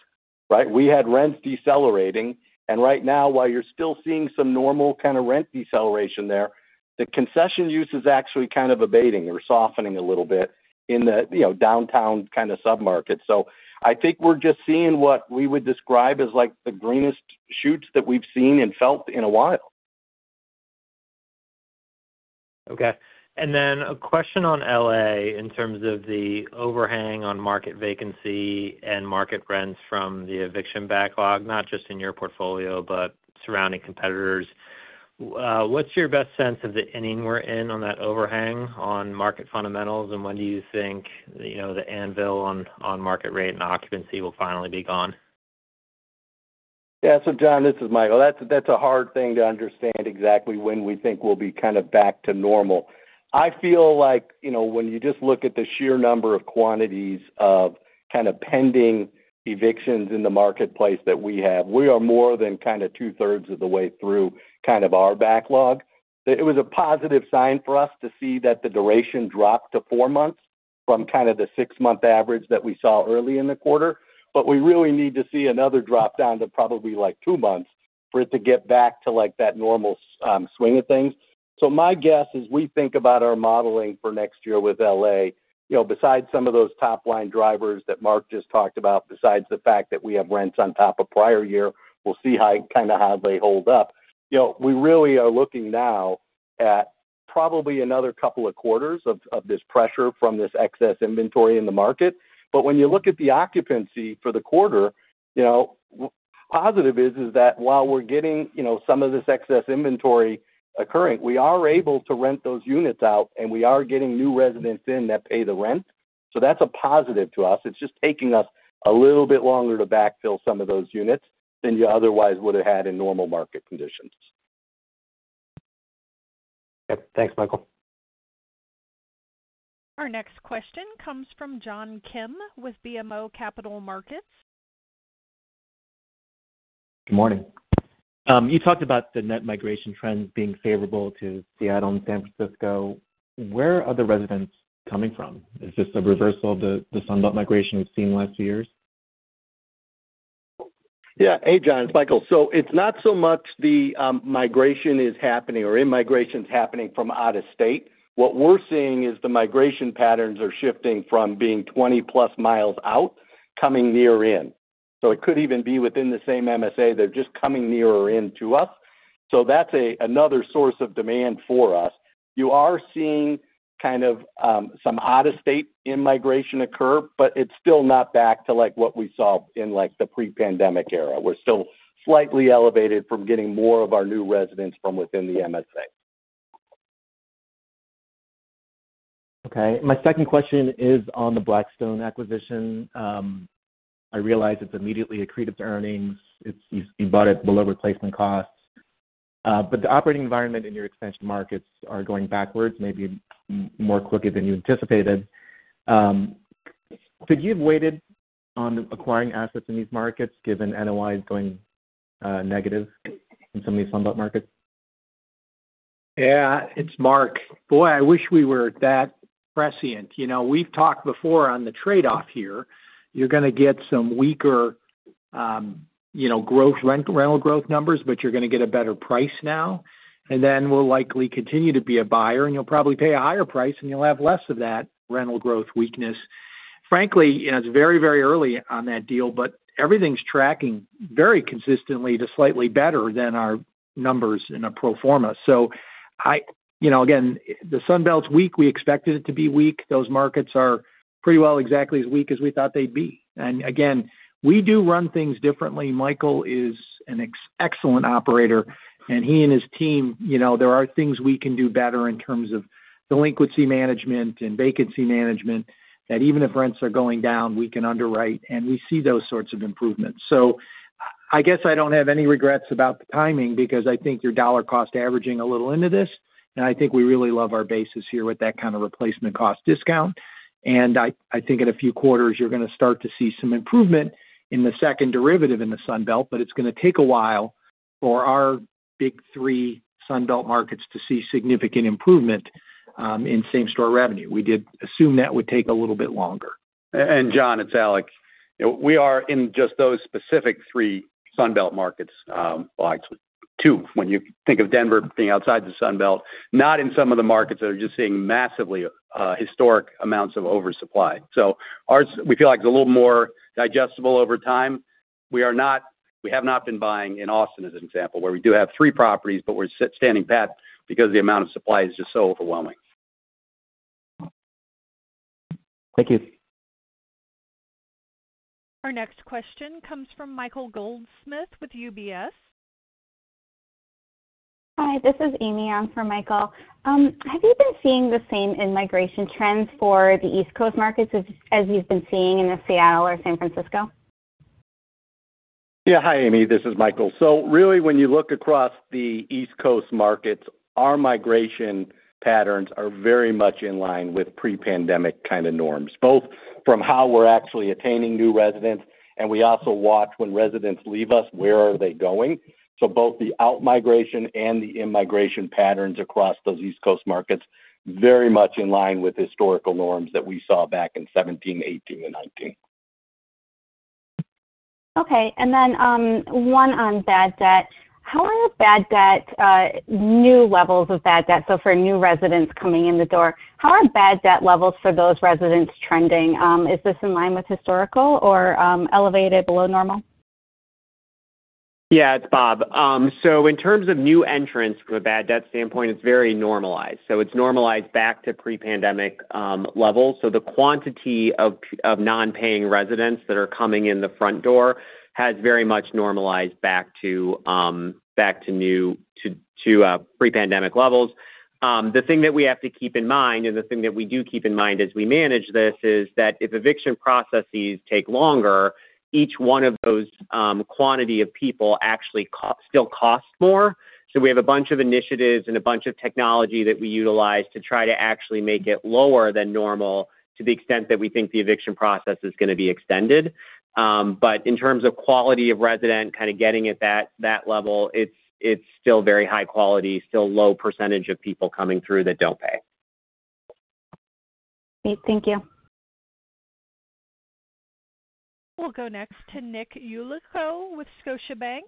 right? We had rents decelerating. And right now, while you're still seeing some normal kind of rent deceleration there, the concession use is actually kind of abating or softening a little bit in the downtown kind of submarket. So I think we're just seeing what we would describe as the greenest shoots that we've seen and felt in a while. Okay. And then a question on LA in terms of the overhang on market vacancy and market rents from the eviction backlog, not just in your portfolio, but surrounding competitors. What's your best sense of the ending we're in on that overhang on market fundamentals, and when do you think the anvil on market rate and occupancy will finally be gone? Yeah. So, John, this is Michael. That's a hard thing to understand exactly when we think we'll be kind of back to normal. I feel like when you just look at the sheer number of quantities of kind of pending evictions in the marketplace that we have, we are more than kind of two-thirds of the way through kind of our backlog. It was a positive sign for us to see that the duration dropped to four months from kind of the six-month average that we saw early in the quarter, but we really need to see another drop down to probably like two months for it to get back to that normal swing of things. So my guess is we think about our modeling for next year with LA, besides some of those top-line drivers that Mark just talked about, besides the fact that we have rents on top of prior year, we'll see kind of how they hold up. We really are looking now at probably another couple of quarters of this pressure from this excess inventory in the market. But when you look at the occupancy for the quarter, positive is that while we're getting some of this excess inventory occurring, we are able to rent those units out, and we are getting new residents in that pay the rent. So that's a positive to us. It's just taking us a little bit longer to backfill some of those units than you otherwise would have had in normal market conditions. Okay. Thanks, Michael. Our next question comes from John Kim with BMO Capital Markets. Good morning. You talked about the net migration trend being favorable to Seattle and San Francisco. Where are the residents coming from? Is this a reversal of the Sunbelt migration we've seen the last few years? Yeah. Hey, John. It's Michael. So it's not so much the migration is happening or immigration is happening from out of state. What we're seeing is the migration patterns are shifting from being 20-plus miles out coming near in. So it could even be within the same MSA. They're just coming nearer into us. So that's another source of demand for us. You are seeing kind of some out-of-state immigration occur, but it's still not back to what we saw in the pre-pandemic era. We're still slightly elevated from getting more of our new residents from within the MSA. Okay. My second question is on the Blackstone acquisition. I realize it's immediately accretive to earnings. You bought it below replacement costs. But the operating environment in your expansion markets are going backwards, maybe more quickly than you anticipated. Could you have waited on acquiring assets in these markets given NOI is going negative in some of these Sunbelt markets? Yeah. It's Mark. Boy, I wish we were that prescient. We've talked before on the trade-off here. You're going to get some weaker rental growth numbers, but you're going to get a better price now. And then we'll likely continue to be a buyer, and you'll probably pay a higher price, and you'll have less of that rental growth weakness. Frankly, it's very, very early on that deal, but everything's tracking very consistently to slightly better than our numbers in a pro forma. So again, the Sunbelt's weak. We expected it to be weak. Those markets are pretty well exactly as weak as we thought they'd be. And again, we do run things differently. Michael is an excellent operator, and he and his team, there are things we can do better in terms of delinquency management and vacancy management that even if rents are going down, we can underwrite, and we see those sorts of improvements. So I guess I don't have any regrets about the timing because I think you're dollar cost averaging a little into this, and I think we really love our basis here with that kind of replacement cost discount. And I think in a few quarters, you're going to start to see some improvement in the second derivative in the Sunbelt, but it's going to take a while for our big three Sunbelt markets to see significant improvement in same-store revenue. We did assume that would take a little bit longer. And John, it's Alex. We are in just those specific three Sunbelt markets, actually two, when you think of Denver being outside the Sunbelt, not in some of the markets that are just seeing massively historic amounts of oversupply. So we feel like it's a little more digestible over time. We have not been buying in Austin, as an example, where we do have three properties, but we're standing pat because the amount of supply is just so overwhelming. Thank you. Our next question comes from Michael Goldsmith with UBS. Hi. This is Ami. I'm for Michael. Have you been seeing the same migration trends for the East Coast markets as you've been seeing in Seattle or San Francisco? Yeah. Hi, Ami. This is Michael. Really, when you look across the East Coast markets, our migration patterns are very much in line with pre-pandemic kind of norms, both from how we're actually attaining new residents, and we also watch when residents leave us, where are they going? So both the out-migration and the immigration patterns across those East Coast markets are very much in line with historical norms that we saw back in 2017, 2018, and 2019. Okay. And then one on bad debt. How are new levels of bad debt, so for new residents coming in the door, how are bad debt levels for those residents trending? Is this in line with historical or elevated below normal? Yeah. It's Bob. So in terms of new entrants from a bad debt standpoint, it's very normalized. So it's normalized back to pre-pandemic levels. So the quantity of non-paying residents that are coming in the front door has very much normalized back to pre-pandemic levels. The thing that we have to keep in mind, and the thing that we do keep in mind as we manage this, is that if eviction processes take longer, each one of those quantities of people actually still costs more. So we have a bunch of initiatives and a bunch of technology that we utilize to try to actually make it lower than normal to the extent that we think the eviction process is going to be extended. But in terms of quality of resident, kind of getting at that level, it's still very high quality, still low percentage of people coming through that don't pay. Great. Thank you. We'll go next to Nick Yulico with Scotiabank.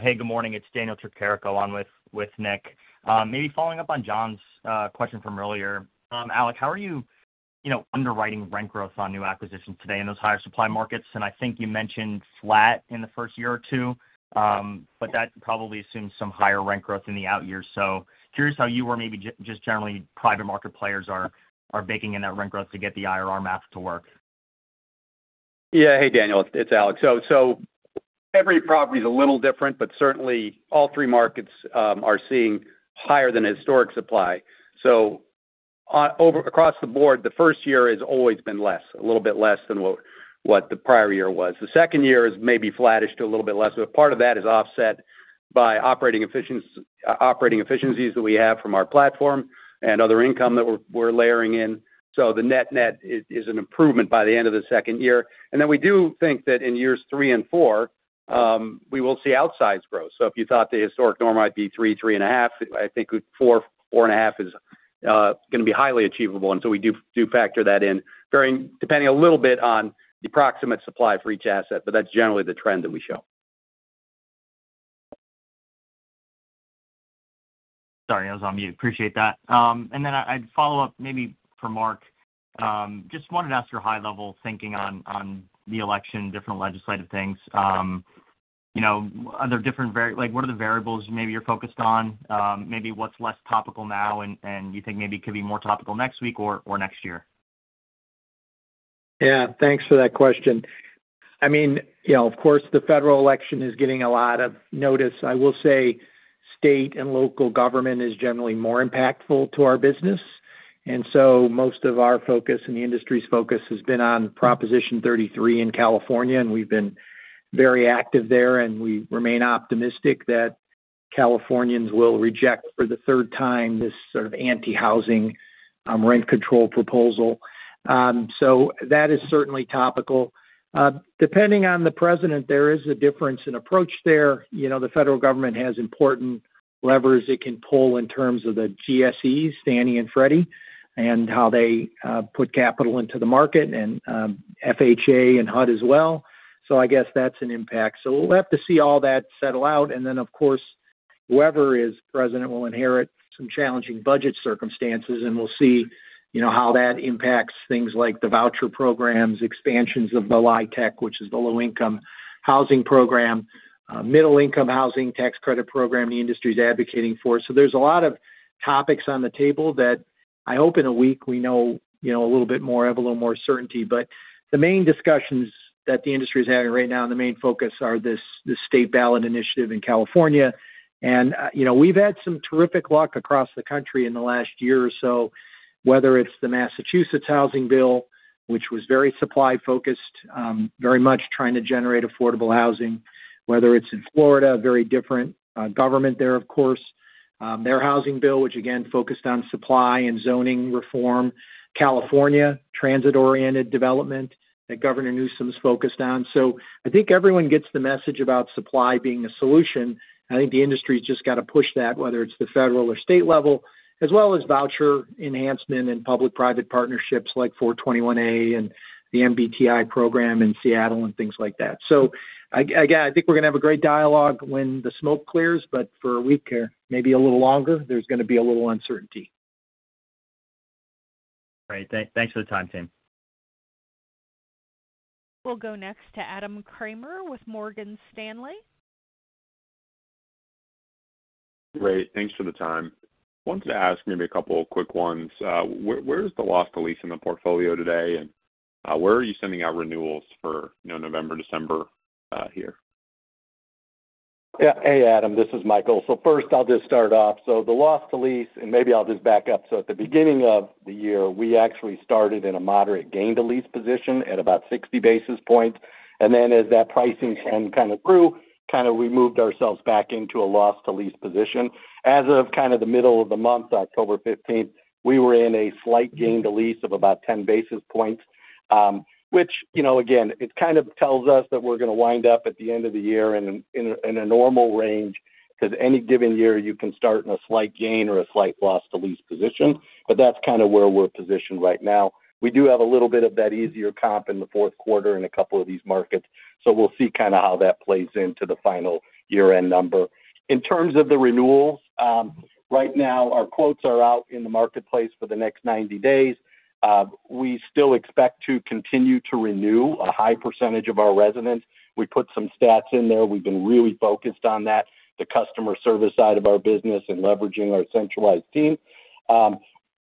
Hey, good morning. It's Daniel Tricarico on with Nick. Maybe following up on John's question from earlier, Alex, how are you underwriting rent growth on new acquisitions today in those higher supply markets? And I think you mentioned flat in the first year or two, but that probably assumes some higher rent growth in the out years. So curious how you were maybe just generally private market players are baking in that rent growth to get the IRR math to work. Yeah. Hey, Daniel. It's Alex. So every property is a little different, but certainly all three markets are seeing higher than historic supply. So across the board, the first year has always been less, a little bit less than what the prior year was. The second year is maybe flattish to a little bit less, but part of that is offset by operating efficiencies that we have from our platform and other income that we're layering in. So the net-net is an improvement by the end of the second year. And then we do think that in years three and four, we will see outsized growth. So if you thought the historic norm might be three, three and a half, I think four and a half is going to be highly achievable. And so we do factor that in, depending a little bit on the approximate supply for each asset, but that's generally the trend that we show. Sorry, I was on mute. Appreciate that. And then I'd follow up maybe for Mark. Just wanted to ask your high-level thinking on the election, different legislative things. Are there different variables? What are the variables maybe you're focused on? Maybe what's less topical now and you think maybe could be more topical next week or next year? Yeah. Thanks for that question. I mean, of course, the federal election is getting a lot of notice. I will say state and local government is generally more impactful to our business. And so most of our focus and the industry's focus has been on Proposition 33 in California, and we've been very active there, and we remain optimistic that Californians will reject for the third time this sort of anti-housing rent control proposal. So that is certainly topical. Depending on the president, there is a difference in approach there. The federal government has important levers it can pull in terms of the GSEs, Fannie and Freddie, and how they put capital into the market, and FHA and HUD as well. So I guess that's an impact. So we'll have to see all that settle out. And then, of course, whoever is president will inherit some challenging budget circumstances, and we'll see how that impacts things like the voucher programs, expansions of the LIHTC, which is the low-income housing program, middle-income housing tax credit program the industry is advocating for. So there's a lot of topics on the table that I hope in a week we know a little bit more of, a little more certainty. But the main discussions that the industry is having right now and the main focus are this state ballot initiative in California. And we've had some terrific luck across the country in the last year or so, whether it's the Massachusetts housing bill, which was very supply-focused, very much trying to generate affordable housing. Whether it's in Florida, very different government there, of course, their housing bill, which again focused on supply and zoning reform. California transit-oriented development that Governor Newsom's focused on. So I think everyone gets the message about supply being a solution. I think the industry has just got to push that, whether it's the federal or state level, as well as voucher enhancement and public-private partnerships like 421-a and the MFTE program in Seattle and things like that. So again, I think we're going to have a great dialogue when the smoke clears, but for a week or maybe a little longer, there's going to be a little uncertainty. Great. Thanks for the time. We'll go next to Adam Kramer with Morgan Stanley. Great. Thanks for the time. I wanted to ask maybe a couple of quick ones. Where is the loss-to-lease in the portfolio today, and where are you sending out renewals for November, December here? Yeah. Hey, Adam. This is Michael. So first, I'll just start off. So the loss-to-lease, and maybe I'll just back up. So at the beginning of the year, we actually started in a moderate gain-to-lease position at about 60 basis points. And then as that pricing trend kind of grew, kind of we moved ourselves back into a loss-to-lease position. As of kind of the middle of the month, October 15th, we were in a slight gain-to-lease of about 10 basis points, which again, it kind of tells us that we're going to wind up at the end of the year in a normal range because any given year you can start in a slight gain or a slight loss-to-lease position. But that's kind of where we're positioned right now. We do have a little bit of that easier comp in the fourth quarter in a couple of these markets. So we'll see kind of how that plays into the final year-end number. In terms of the renewals, right now, our quotes are out in the marketplace for the next 90 days. We still expect to continue to renew a high percentage of our residents. We put some stats in there. We've been really focused on that, the customer service side of our business and leveraging our centralized team.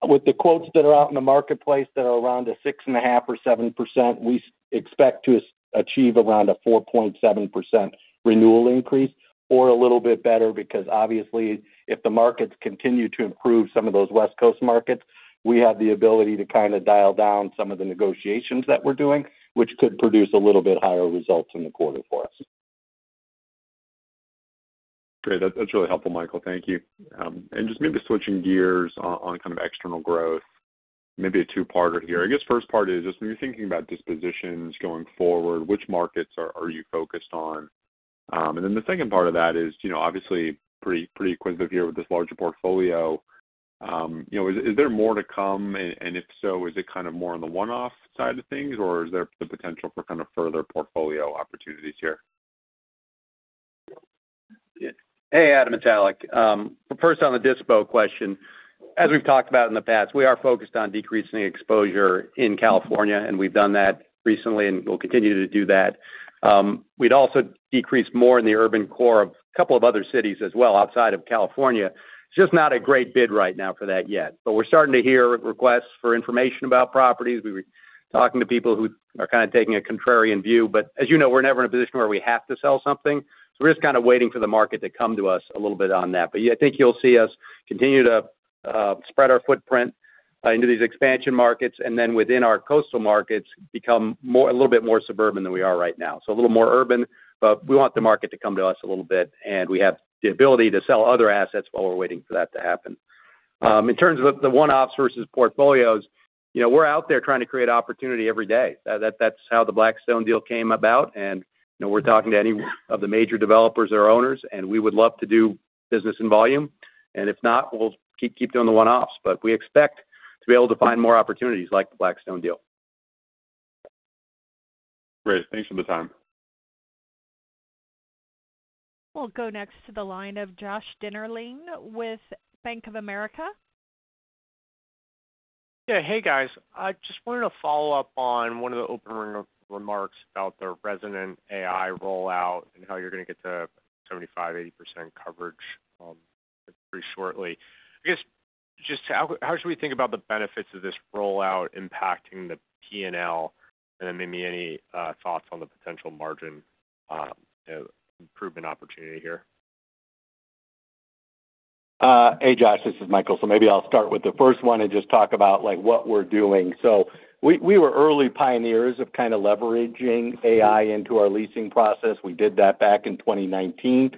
With the quotes that are out in the marketplace that are around a 6.5% or 7%, we expect to achieve around a 4.7% renewal increase or a little bit better because obviously, if the markets continue to improve, some of those West Coast markets, we have the ability to kind of dial down some of the negotiations that we're doing, which could produce a little bit higher results in the quarter for us. Great. That's really helpful, Michael. Thank you, and just maybe switching gears on kind of external growth, maybe a two-parter here. I guess first part is just when you're thinking about dispositions going forward, which markets are you focused on? And then the second part of that is obviously pretty quick here with this larger portfolio. Is there more to come? And if so, is it kind of more on the one-off side of things, or is there the potential for kind of further portfolio opportunities here? Hey, Adam, it's Alec. First, on the dispo question, as we've talked about in the past, we are focused on decreasing exposure in California, and we've done that recently and will continue to do that. We'd also decrease more in the urban core of a couple of other cities as well outside of California. It's just not a great bid right now for that yet. But we're starting to hear requests for information about properties. We were talking to people who are kind of taking a contrarian view. But as you know, we're never in a position where we have to sell something. So we're just kind of waiting for the market to come to us a little bit on that. But I think you'll see us continue to spread our footprint into these expansion markets and then within our coastal markets become a little bit more suburban than we are right now. So a little more urban, but we want the market to come to us a little bit, and we have the ability to sell other assets while we're waiting for that to happen. In terms of the one-offs versus portfolios, we're out there trying to create opportunity every day. That's how the Blackstone deal came about. And we're talking to any of the major developers or owners, and we would love to do business in volume. And if not, we'll keep doing the one-offs. But we expect to be able to find more opportunities like the Blackstone deal. Great. Thanks for the time. We'll go next to the line of Josh Dennerlein with Bank of America. Yeah. Hey, guys. I just wanted to follow up on one of the opening remarks about the ResidentAI rollout and how you're going to get to 75%-80% coverage pretty shortly. I guess just how should we think about the benefits of this rollout impacting the P&L? And then maybe any thoughts on the potential margin improvement opportunity here. Hey, Josh. This is Michael. So maybe I'll start with the first one and just talk about what we're doing. So we were early pioneers of kind of leveraging AI into our leasing process. We did that back in 2019.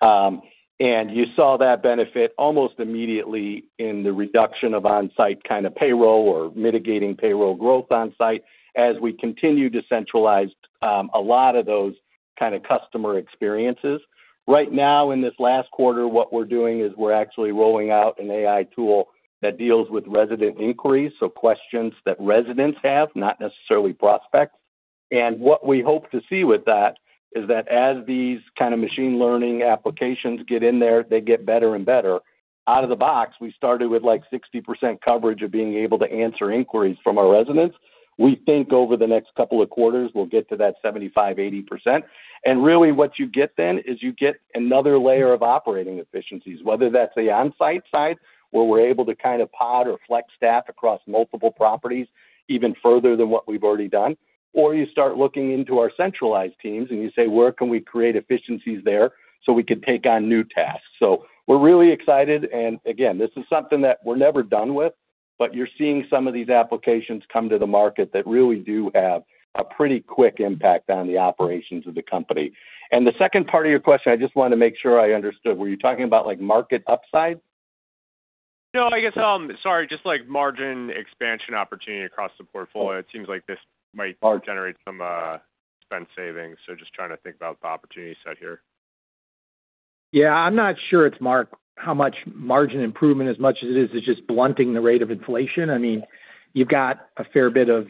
You saw that benefit almost immediately in the reduction of on-site kind of payroll or mitigating payroll growth on-site as we continued to centralize a lot of those kind of customer experiences. Right now, in this last quarter, what we're doing is we're actually rolling out an AI tool that deals with resident inquiries, so questions that residents have, not necessarily prospects. What we hope to see with that is that as these kind of machine learning applications get in there, they get better and better. Out of the box, we started with like 60% coverage of being able to answer inquiries from our residents. We think over the next couple of quarters, we'll get to that 75%-80%. Really, what you get then is you get another layer of operating efficiencies, whether that's the on-site side where we're able to kind of pod or flex staff across multiple properties even further than what we've already done, or you start looking into our centralized teams and you say, "Where can we create efficiencies there so we can take on new tasks?" So we're really excited. And again, this is something that we're never done with, but you're seeing some of these applications come to the market that really do have a pretty quick impact on the operations of the company. And the second part of your question, I just wanted to make sure I understood. Were you talking about market upside? No, I guess sorry, just like margin expansion opportunity across the portfolio. It seems like this might generate some spend savings. So just trying to think about the opportunity set here. Yeah. I'm not sure it's how much margin improvement as much as it is just blunting the rate of inflation. I mean, you've got a fair bit of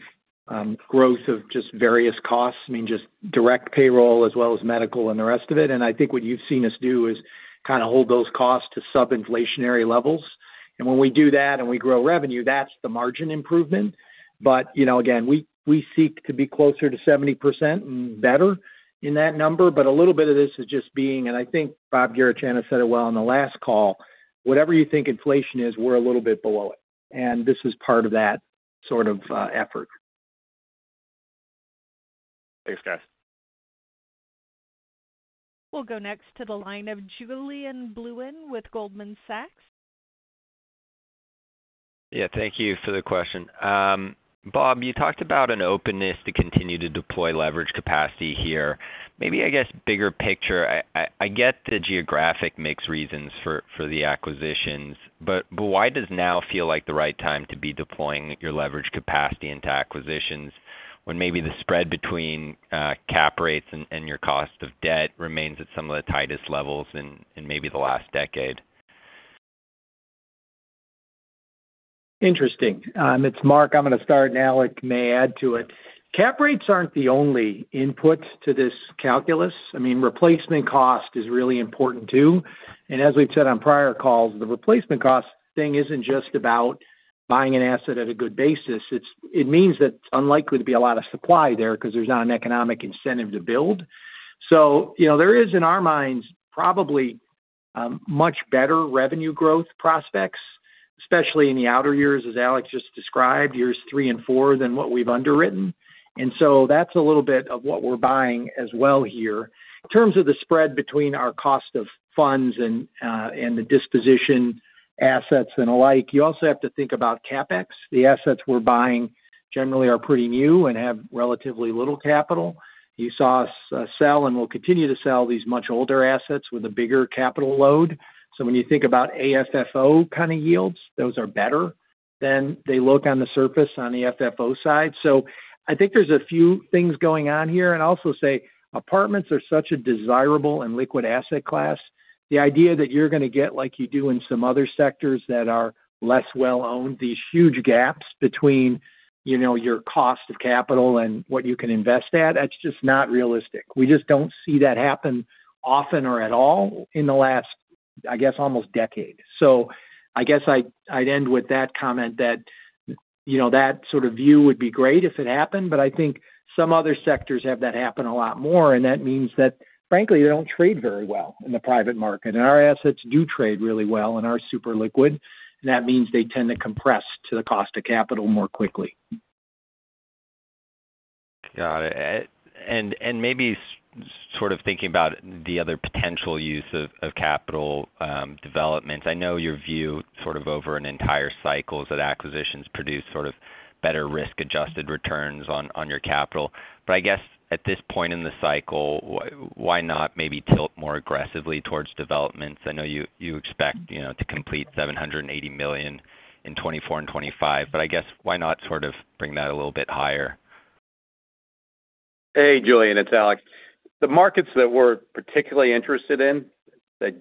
growth of just various costs, I mean, just direct payroll as well as medical and the rest of it. And I think what you've seen us do is kind of hold those costs to sub-inflationary levels. And when we do that and we grow revenue, that's the margin improvement. But again, we seek to be closer to 70% and better in that number. But a little bit of this is just being—and I think Bob Garechana said it well on the last call—whatever you think inflation is, we're a little bit below it. And this is part of that sort of effort. Thanks, guys. We'll go next to the line of Julien Blouin with Goldman Sachs. Yeah. Thank you for the question. Bob, you talked about an openness to continue to deploy leverage capacity here. Maybe, I guess, bigger picture, I get the geographic mixed reasons for the acquisitions, but why does now feel like the right time to be deploying your leverage capacity into acquisitions when maybe the spread between cap rates and your cost of debt remains at some of the tightest levels in maybe the last decade? Interesting. It's Mark. I'm going to start, and Alec may add to it. Cap rates aren't the only input to this calculus. I mean, replacement cost is really important too. And as we've said on prior calls, the replacement cost thing isn't just about buying an asset at a good basis. It means that it's unlikely to be a lot of supply there because there's not an economic incentive to build. So there is, in our minds, probably much better revenue growth prospects, especially in the outer years, as Alec just described, years three and four than what we've underwritten. And so that's a little bit of what we're buying as well here. In terms of the spread between our cost of funds and the disposition assets and the like, you also have to think about CapEx. The assets we're buying generally are pretty new and have relatively little capital. You saw us sell and will continue to sell these much older assets with a bigger capital load. So when you think about AFFO kind of yields, those are better than they look on the surface on the FFO side. So I think there's a few things going on here. I'll also say apartments are such a desirable and liquid asset class. The idea that you're going to get, like you do in some other sectors that are less well-known, these huge gaps between your cost of capital and what you can invest at, that's just not realistic. We just don't see that happen often or at all in the last, I guess, almost decade. I guess I'd end with that comment that that sort of view would be great if it happened, but I think some other sectors have that happen a lot more. That means that, frankly, they don't trade very well in the private market. Our assets do trade really well and are super liquid. That means they tend to compress to the cost of capital more quickly. Got it. Maybe sort of thinking about the other potential use of capital developments, I know your view sort of over an entire cycle is that acquisitions produce sort of better risk-adjusted returns on your capital. I guess at this point in the cycle, why not maybe tilt more aggressively towards developments? I know you expect to complete $780 million in 2024 and 2025, but I guess why not sort of bring that a little bit higher? Hey, Julian, it's Alec. The markets that we're particularly interested in,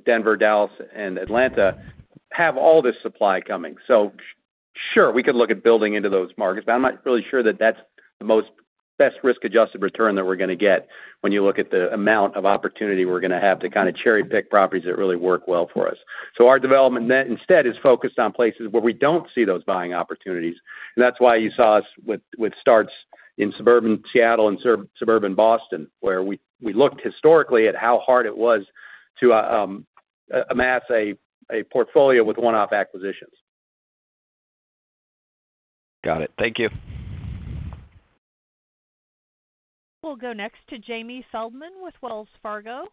Denver, Dallas, and Atlanta, have all this supply coming. So sure, we could look at building into those markets, but I'm not really sure that that's the best risk-adjusted return that we're going to get when you look at the amount of opportunity we're going to have to kind of cherry-pick properties that really work well for us. So our development net instead is focused on places where we don't see those buying opportunities. And that's why you saw us with starts in suburban Seattle and suburban Boston, where we looked historically at how hard it was to amass a portfolio with one-off acquisitions. Got it. Thank you. We'll go next to Jamie Feldman with Wells Fargo.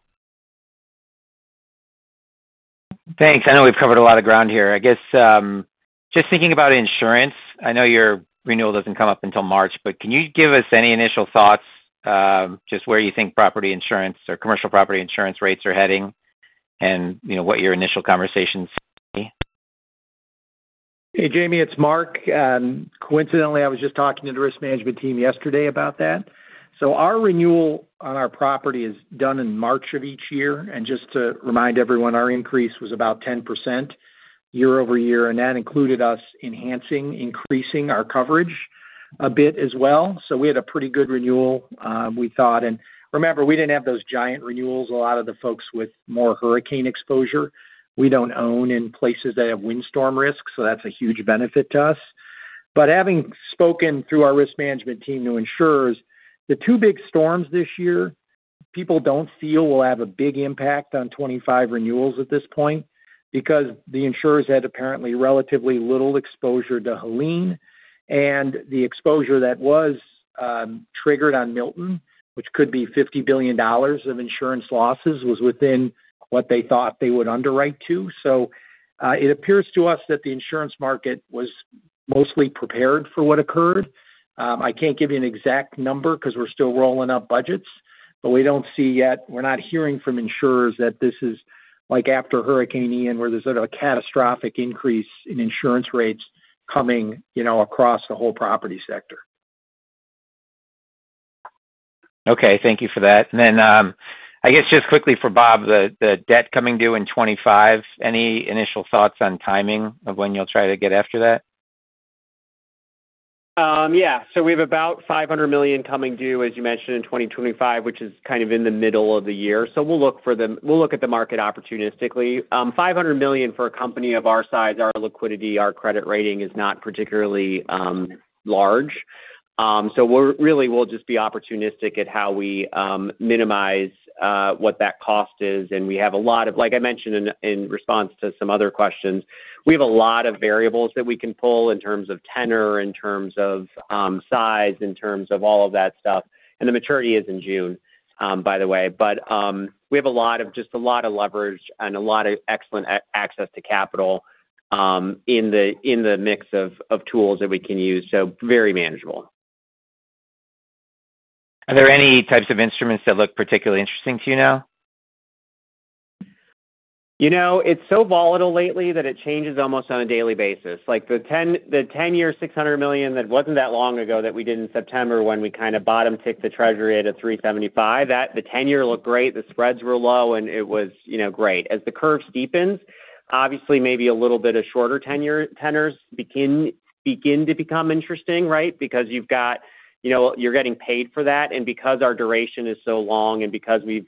Thanks. I know we've covered a lot of ground here. I guess just thinking about insurance, I know your renewal doesn't come up until March, but can you give us any initial thoughts just where you think property insurance or commercial property insurance rates are heading and what your initial conversations? Hey, Jamie, it's Mark. Coincidentally, I was just talking to the risk management team yesterday about that. So our renewal on our property is done in March of each year. And just to remind everyone, our increase was about 10% year over year. And that included us enhancing, increasing our coverage a bit as well. So we had a pretty good renewal, we thought. And remember, we didn't have those giant renewals. A lot of the folks with more hurricane exposure, we don't own in places that have windstorm risk, so that's a huge benefit to us. But having spoken through our risk management team to insurers, the two big storms this year, people don't feel will have a big impact on 2025 renewals at this point because the insurers had apparently relatively little exposure to Helene. And the exposure that was triggered on Milton, which could be $50 billion of insurance losses, was within what they thought they would underwrite to. So it appears to us that the insurance market was mostly prepared for what occurred. I can't give you an exact number because we're still rolling up budgets, but we don't see yet, we're not hearing from insurers that this is like after Hurricane Ian, where there's a catastrophic increase in insurance rates coming across the whole property sector. Okay. Thank you for that. And then I guess just quickly for Bob, the debt coming due in 2025, any initial thoughts on timing of when you'll try to get after that? Yeah. So we have about $500 million coming due, as you mentioned, in 2025, which is kind of in the middle of the year. So we'll look for the, we'll look at the market opportunistically. $500 million for a company of our size, our liquidity, our credit rating is not particularly large. So really, we'll just be opportunistic at how we minimize what that cost is. We have a lot of, like I mentioned in response to some other questions, a lot of variables that we can pull in terms of tenor, in terms of size, in terms of all of that stuff. The maturity is in June, by the way. We have a lot of, just a lot of leverage and a lot of excellent access to capital in the mix of tools that we can use. Very manageable. Are there any types of instruments that look particularly interesting to you now? It's so volatile lately that it changes almost on a daily basis. The 10-year Treasury $600 million that wasn't that long ago that we did in September when we kind of bottom-ticked the Treasury at 3.75%, the 10-year looked great. The spreads were low, and it was great. As the curve steepens, obviously, maybe a little bit of shorter tenors begin to become interesting, right? Because you've got, you're getting paid for that. And because our duration is so long and because we've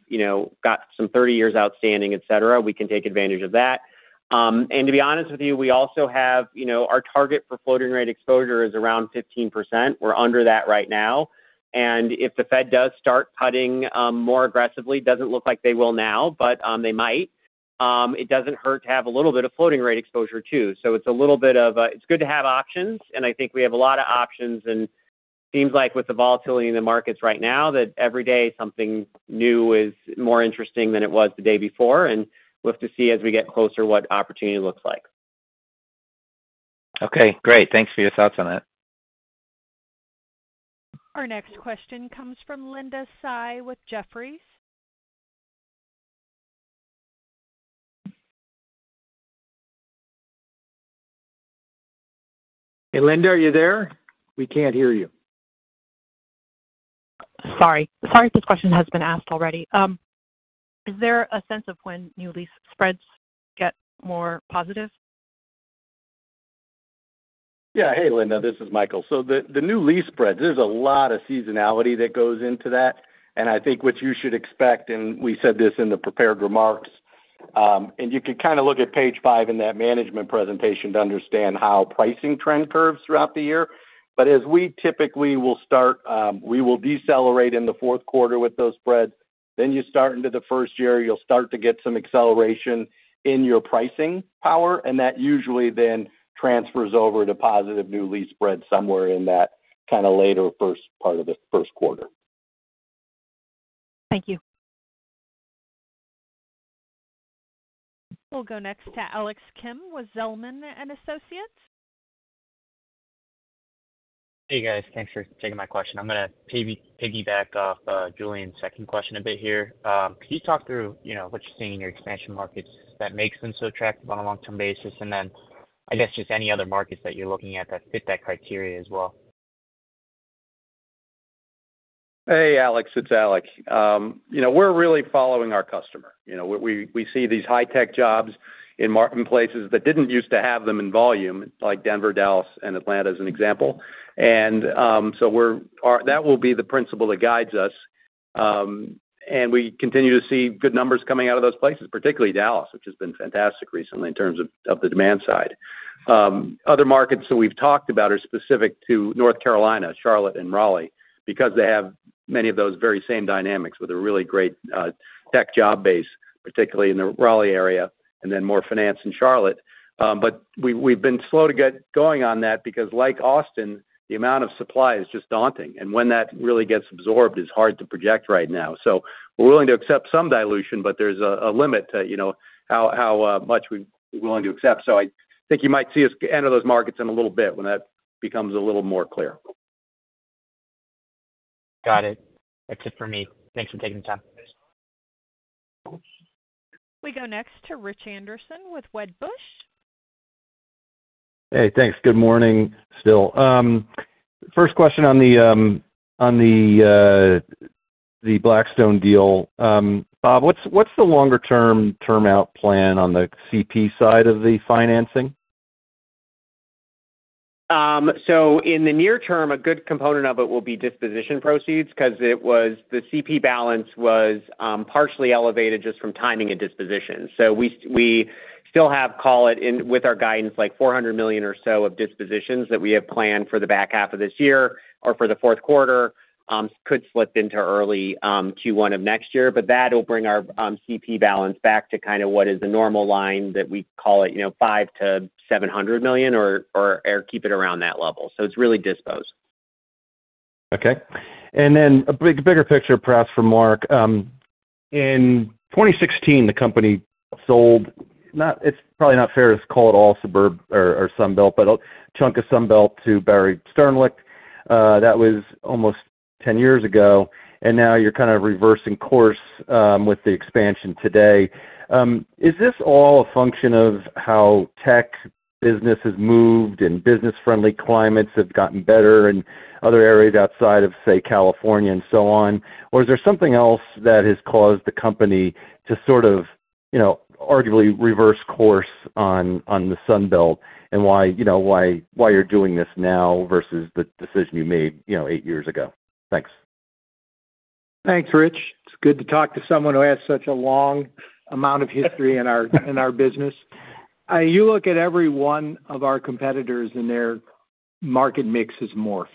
got some 30 years outstanding, etc., we can take advantage of that. And to be honest with you, we also have, our target for floating-rate exposure is around 15%. We're under that right now. And if the Fed does start cutting more aggressively, it doesn't look like they will now, but they might. It doesn't hurt to have a little bit of floating-rate exposure too. So it's a little bit of a, it's good to have options. And I think we have a lot of options. And it seems like with the volatility in the markets right now, that every day something new is more interesting than it was the day before. And we'll have to see as we get closer what opportunity looks like. Okay. Great. Thanks for your thoughts on that. Our next question comes from Linda Tsai with Jefferies. Hey, Linda, are you there? We can't hear you. Sorry. Sorry if this question has been asked already. Is there a sense of when new lease spreads get more positive? Yeah. Hey, Linda, this is Michael. So the new lease spreads, there's a lot of seasonality that goes into that. And I think what you should expect, and we said this in the prepared remarks, and you could kind of look at page five in that management presentation to understand how pricing trend curves throughout the year. But as we typically will start, we will decelerate in the fourth quarter with those spreads. Then you start into the first year, you'll start to get some acceleration in your pricing power. And that usually then transfers over to positive new lease spreads somewhere in that kind of later first part of the first quarter. Thank you. We'll go next to Alex Kalmus with Zelman & Associates. Hey, guys. Thanks for taking my question. I'm going to piggyback off Julian's second question a bit here. Can you talk through what you're seeing in your expansion markets that makes them so attractive on a long-term basis? And then I guess just any other markets that you're looking at that fit that criteria as well. Hey, Alex. It's Alec. We're really following our customer. We see these high-tech jobs in markets places that didn't used to have them in volume, like Denver, Dallas, and Atlanta as an example. And so that will be the principle that guides us. We continue to see good numbers coming out of those places, particularly Dallas, which has been fantastic recently in terms of the demand side. Other markets that we've talked about are specific to North Carolina, Charlotte, and Raleigh because they have many of those very same dynamics with a really great tech job base, particularly in the Raleigh area, and then more finance in Charlotte. We've been slow to get going on that because, like Austin, the amount of supply is just daunting. When that really gets absorbed, it's hard to project right now. We're willing to accept some dilution, but there's a limit to how much we're willing to accept. I think you might see us enter those markets in a little bit when that becomes a little more clear. Got it. That's it for me. Thanks for taking the time. We go next to Rich Anderson with Wedbush. Hey, thanks. Good morning still. First question on the Blackstone deal. Bob, what's the longer-term term out plan on the CP side of the financing? So in the near term, a good component of it will be disposition proceeds because the CP balance was partially elevated just from timing and disposition. So we still have, call it, with our guidance, like $400 million or so of dispositions that we have planned for the back half of this year or for the fourth quarter, could slip into early Q1 of next year. But that will bring our CP balance back to kind of what is the normal line that we call it $500 million-$700 million or keep it around that level. So it's really dispose. Okay. And then a bigger picture perhaps for Mark. In 2016, the company sold. It's probably not fair to call it all suburb or Sunbelt but a chunk of Sunbelt to Barry Sternlicht. That was almost 10 years ago. And now you're kind of reversing course with the expansion today. Is this all a function of how tech business has moved and business-friendly climates have gotten better in other areas outside of, say, California and so on? Or is there something else that has caused the company to sort of arguably reverse course on the Sunbelt and why you're doing this now versus the decision you made eight years ago? Thanks. Thanks, Rich. It's good to talk to someone who has such a long amount of history in our business. You look at every one of our competitors and their market mix has morphed.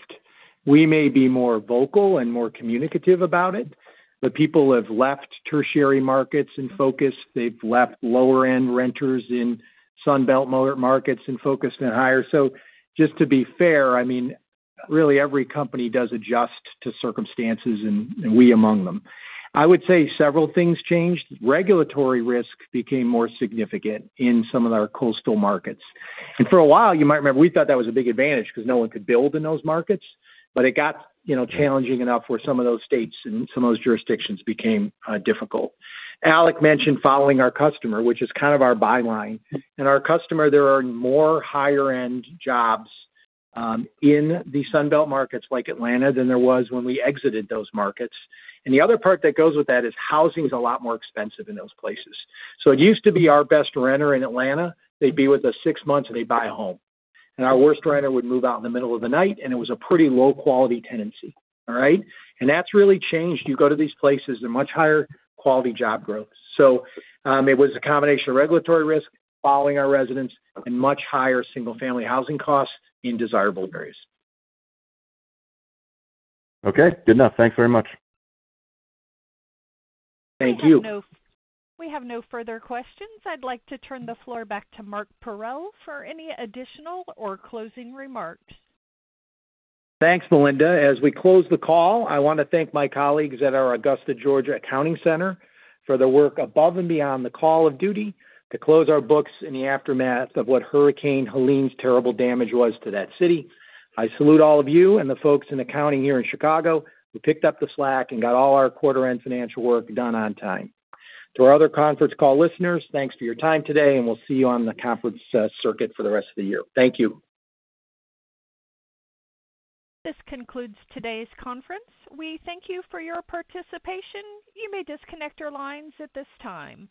We may be more vocal and more communicative about it, but people have left tertiary markets in focus. They've left lower-end renters in Sunbelt markets and focused in higher, so just to be fair, I mean, really every company does adjust to circumstances, and we among them. I would say several things changed. Regulatory risk became more significant in some of our coastal markets, and for a while, you might remember, we thought that was a big advantage because no one could build in those markets, but it got challenging enough where some of those states and some of those jurisdictions became difficult. Alec mentioned following our customer, which is kind of our bottom line, and our customer, there are more higher-end jobs in the Sunbelt markets like Atlanta than there was when we exited those markets. And the other part that goes with that is housing is a lot more expensive in those places. So it used to be our best renter in Atlanta, they'd be with us six months and they'd buy a home. And our worst renter would move out in the middle of the night, and it was a pretty low-quality tenancy. All right? And that's really changed. You go to these places, they're much higher quality job growth. So it was a combination of regulatory risk, following our residents, and much higher single-family housing costs in desirable areas. Okay. Good enough. Thanks very much. Thank you. We have no further questions. I'd like to turn the floor back to Mark Parrell for any additional or closing remarks. Thanks, Melinda. As we close the call, I want to thank my colleagues at our Augusta, Georgia accounting center for their work above and beyond the call of duty to close our books in the aftermath of what Hurricane Helene's terrible damage was to that city. I salute all of you and the folks in accounting here in Chicago who picked up the slack and got all our quarter-end financial work done on time. To our other conference call listeners, thanks for your time today, and we'll see you on the conference circuit for the rest of the year. Thank you. This concludes today's conference. We thank you for your participation. You may disconnect your lines at this time.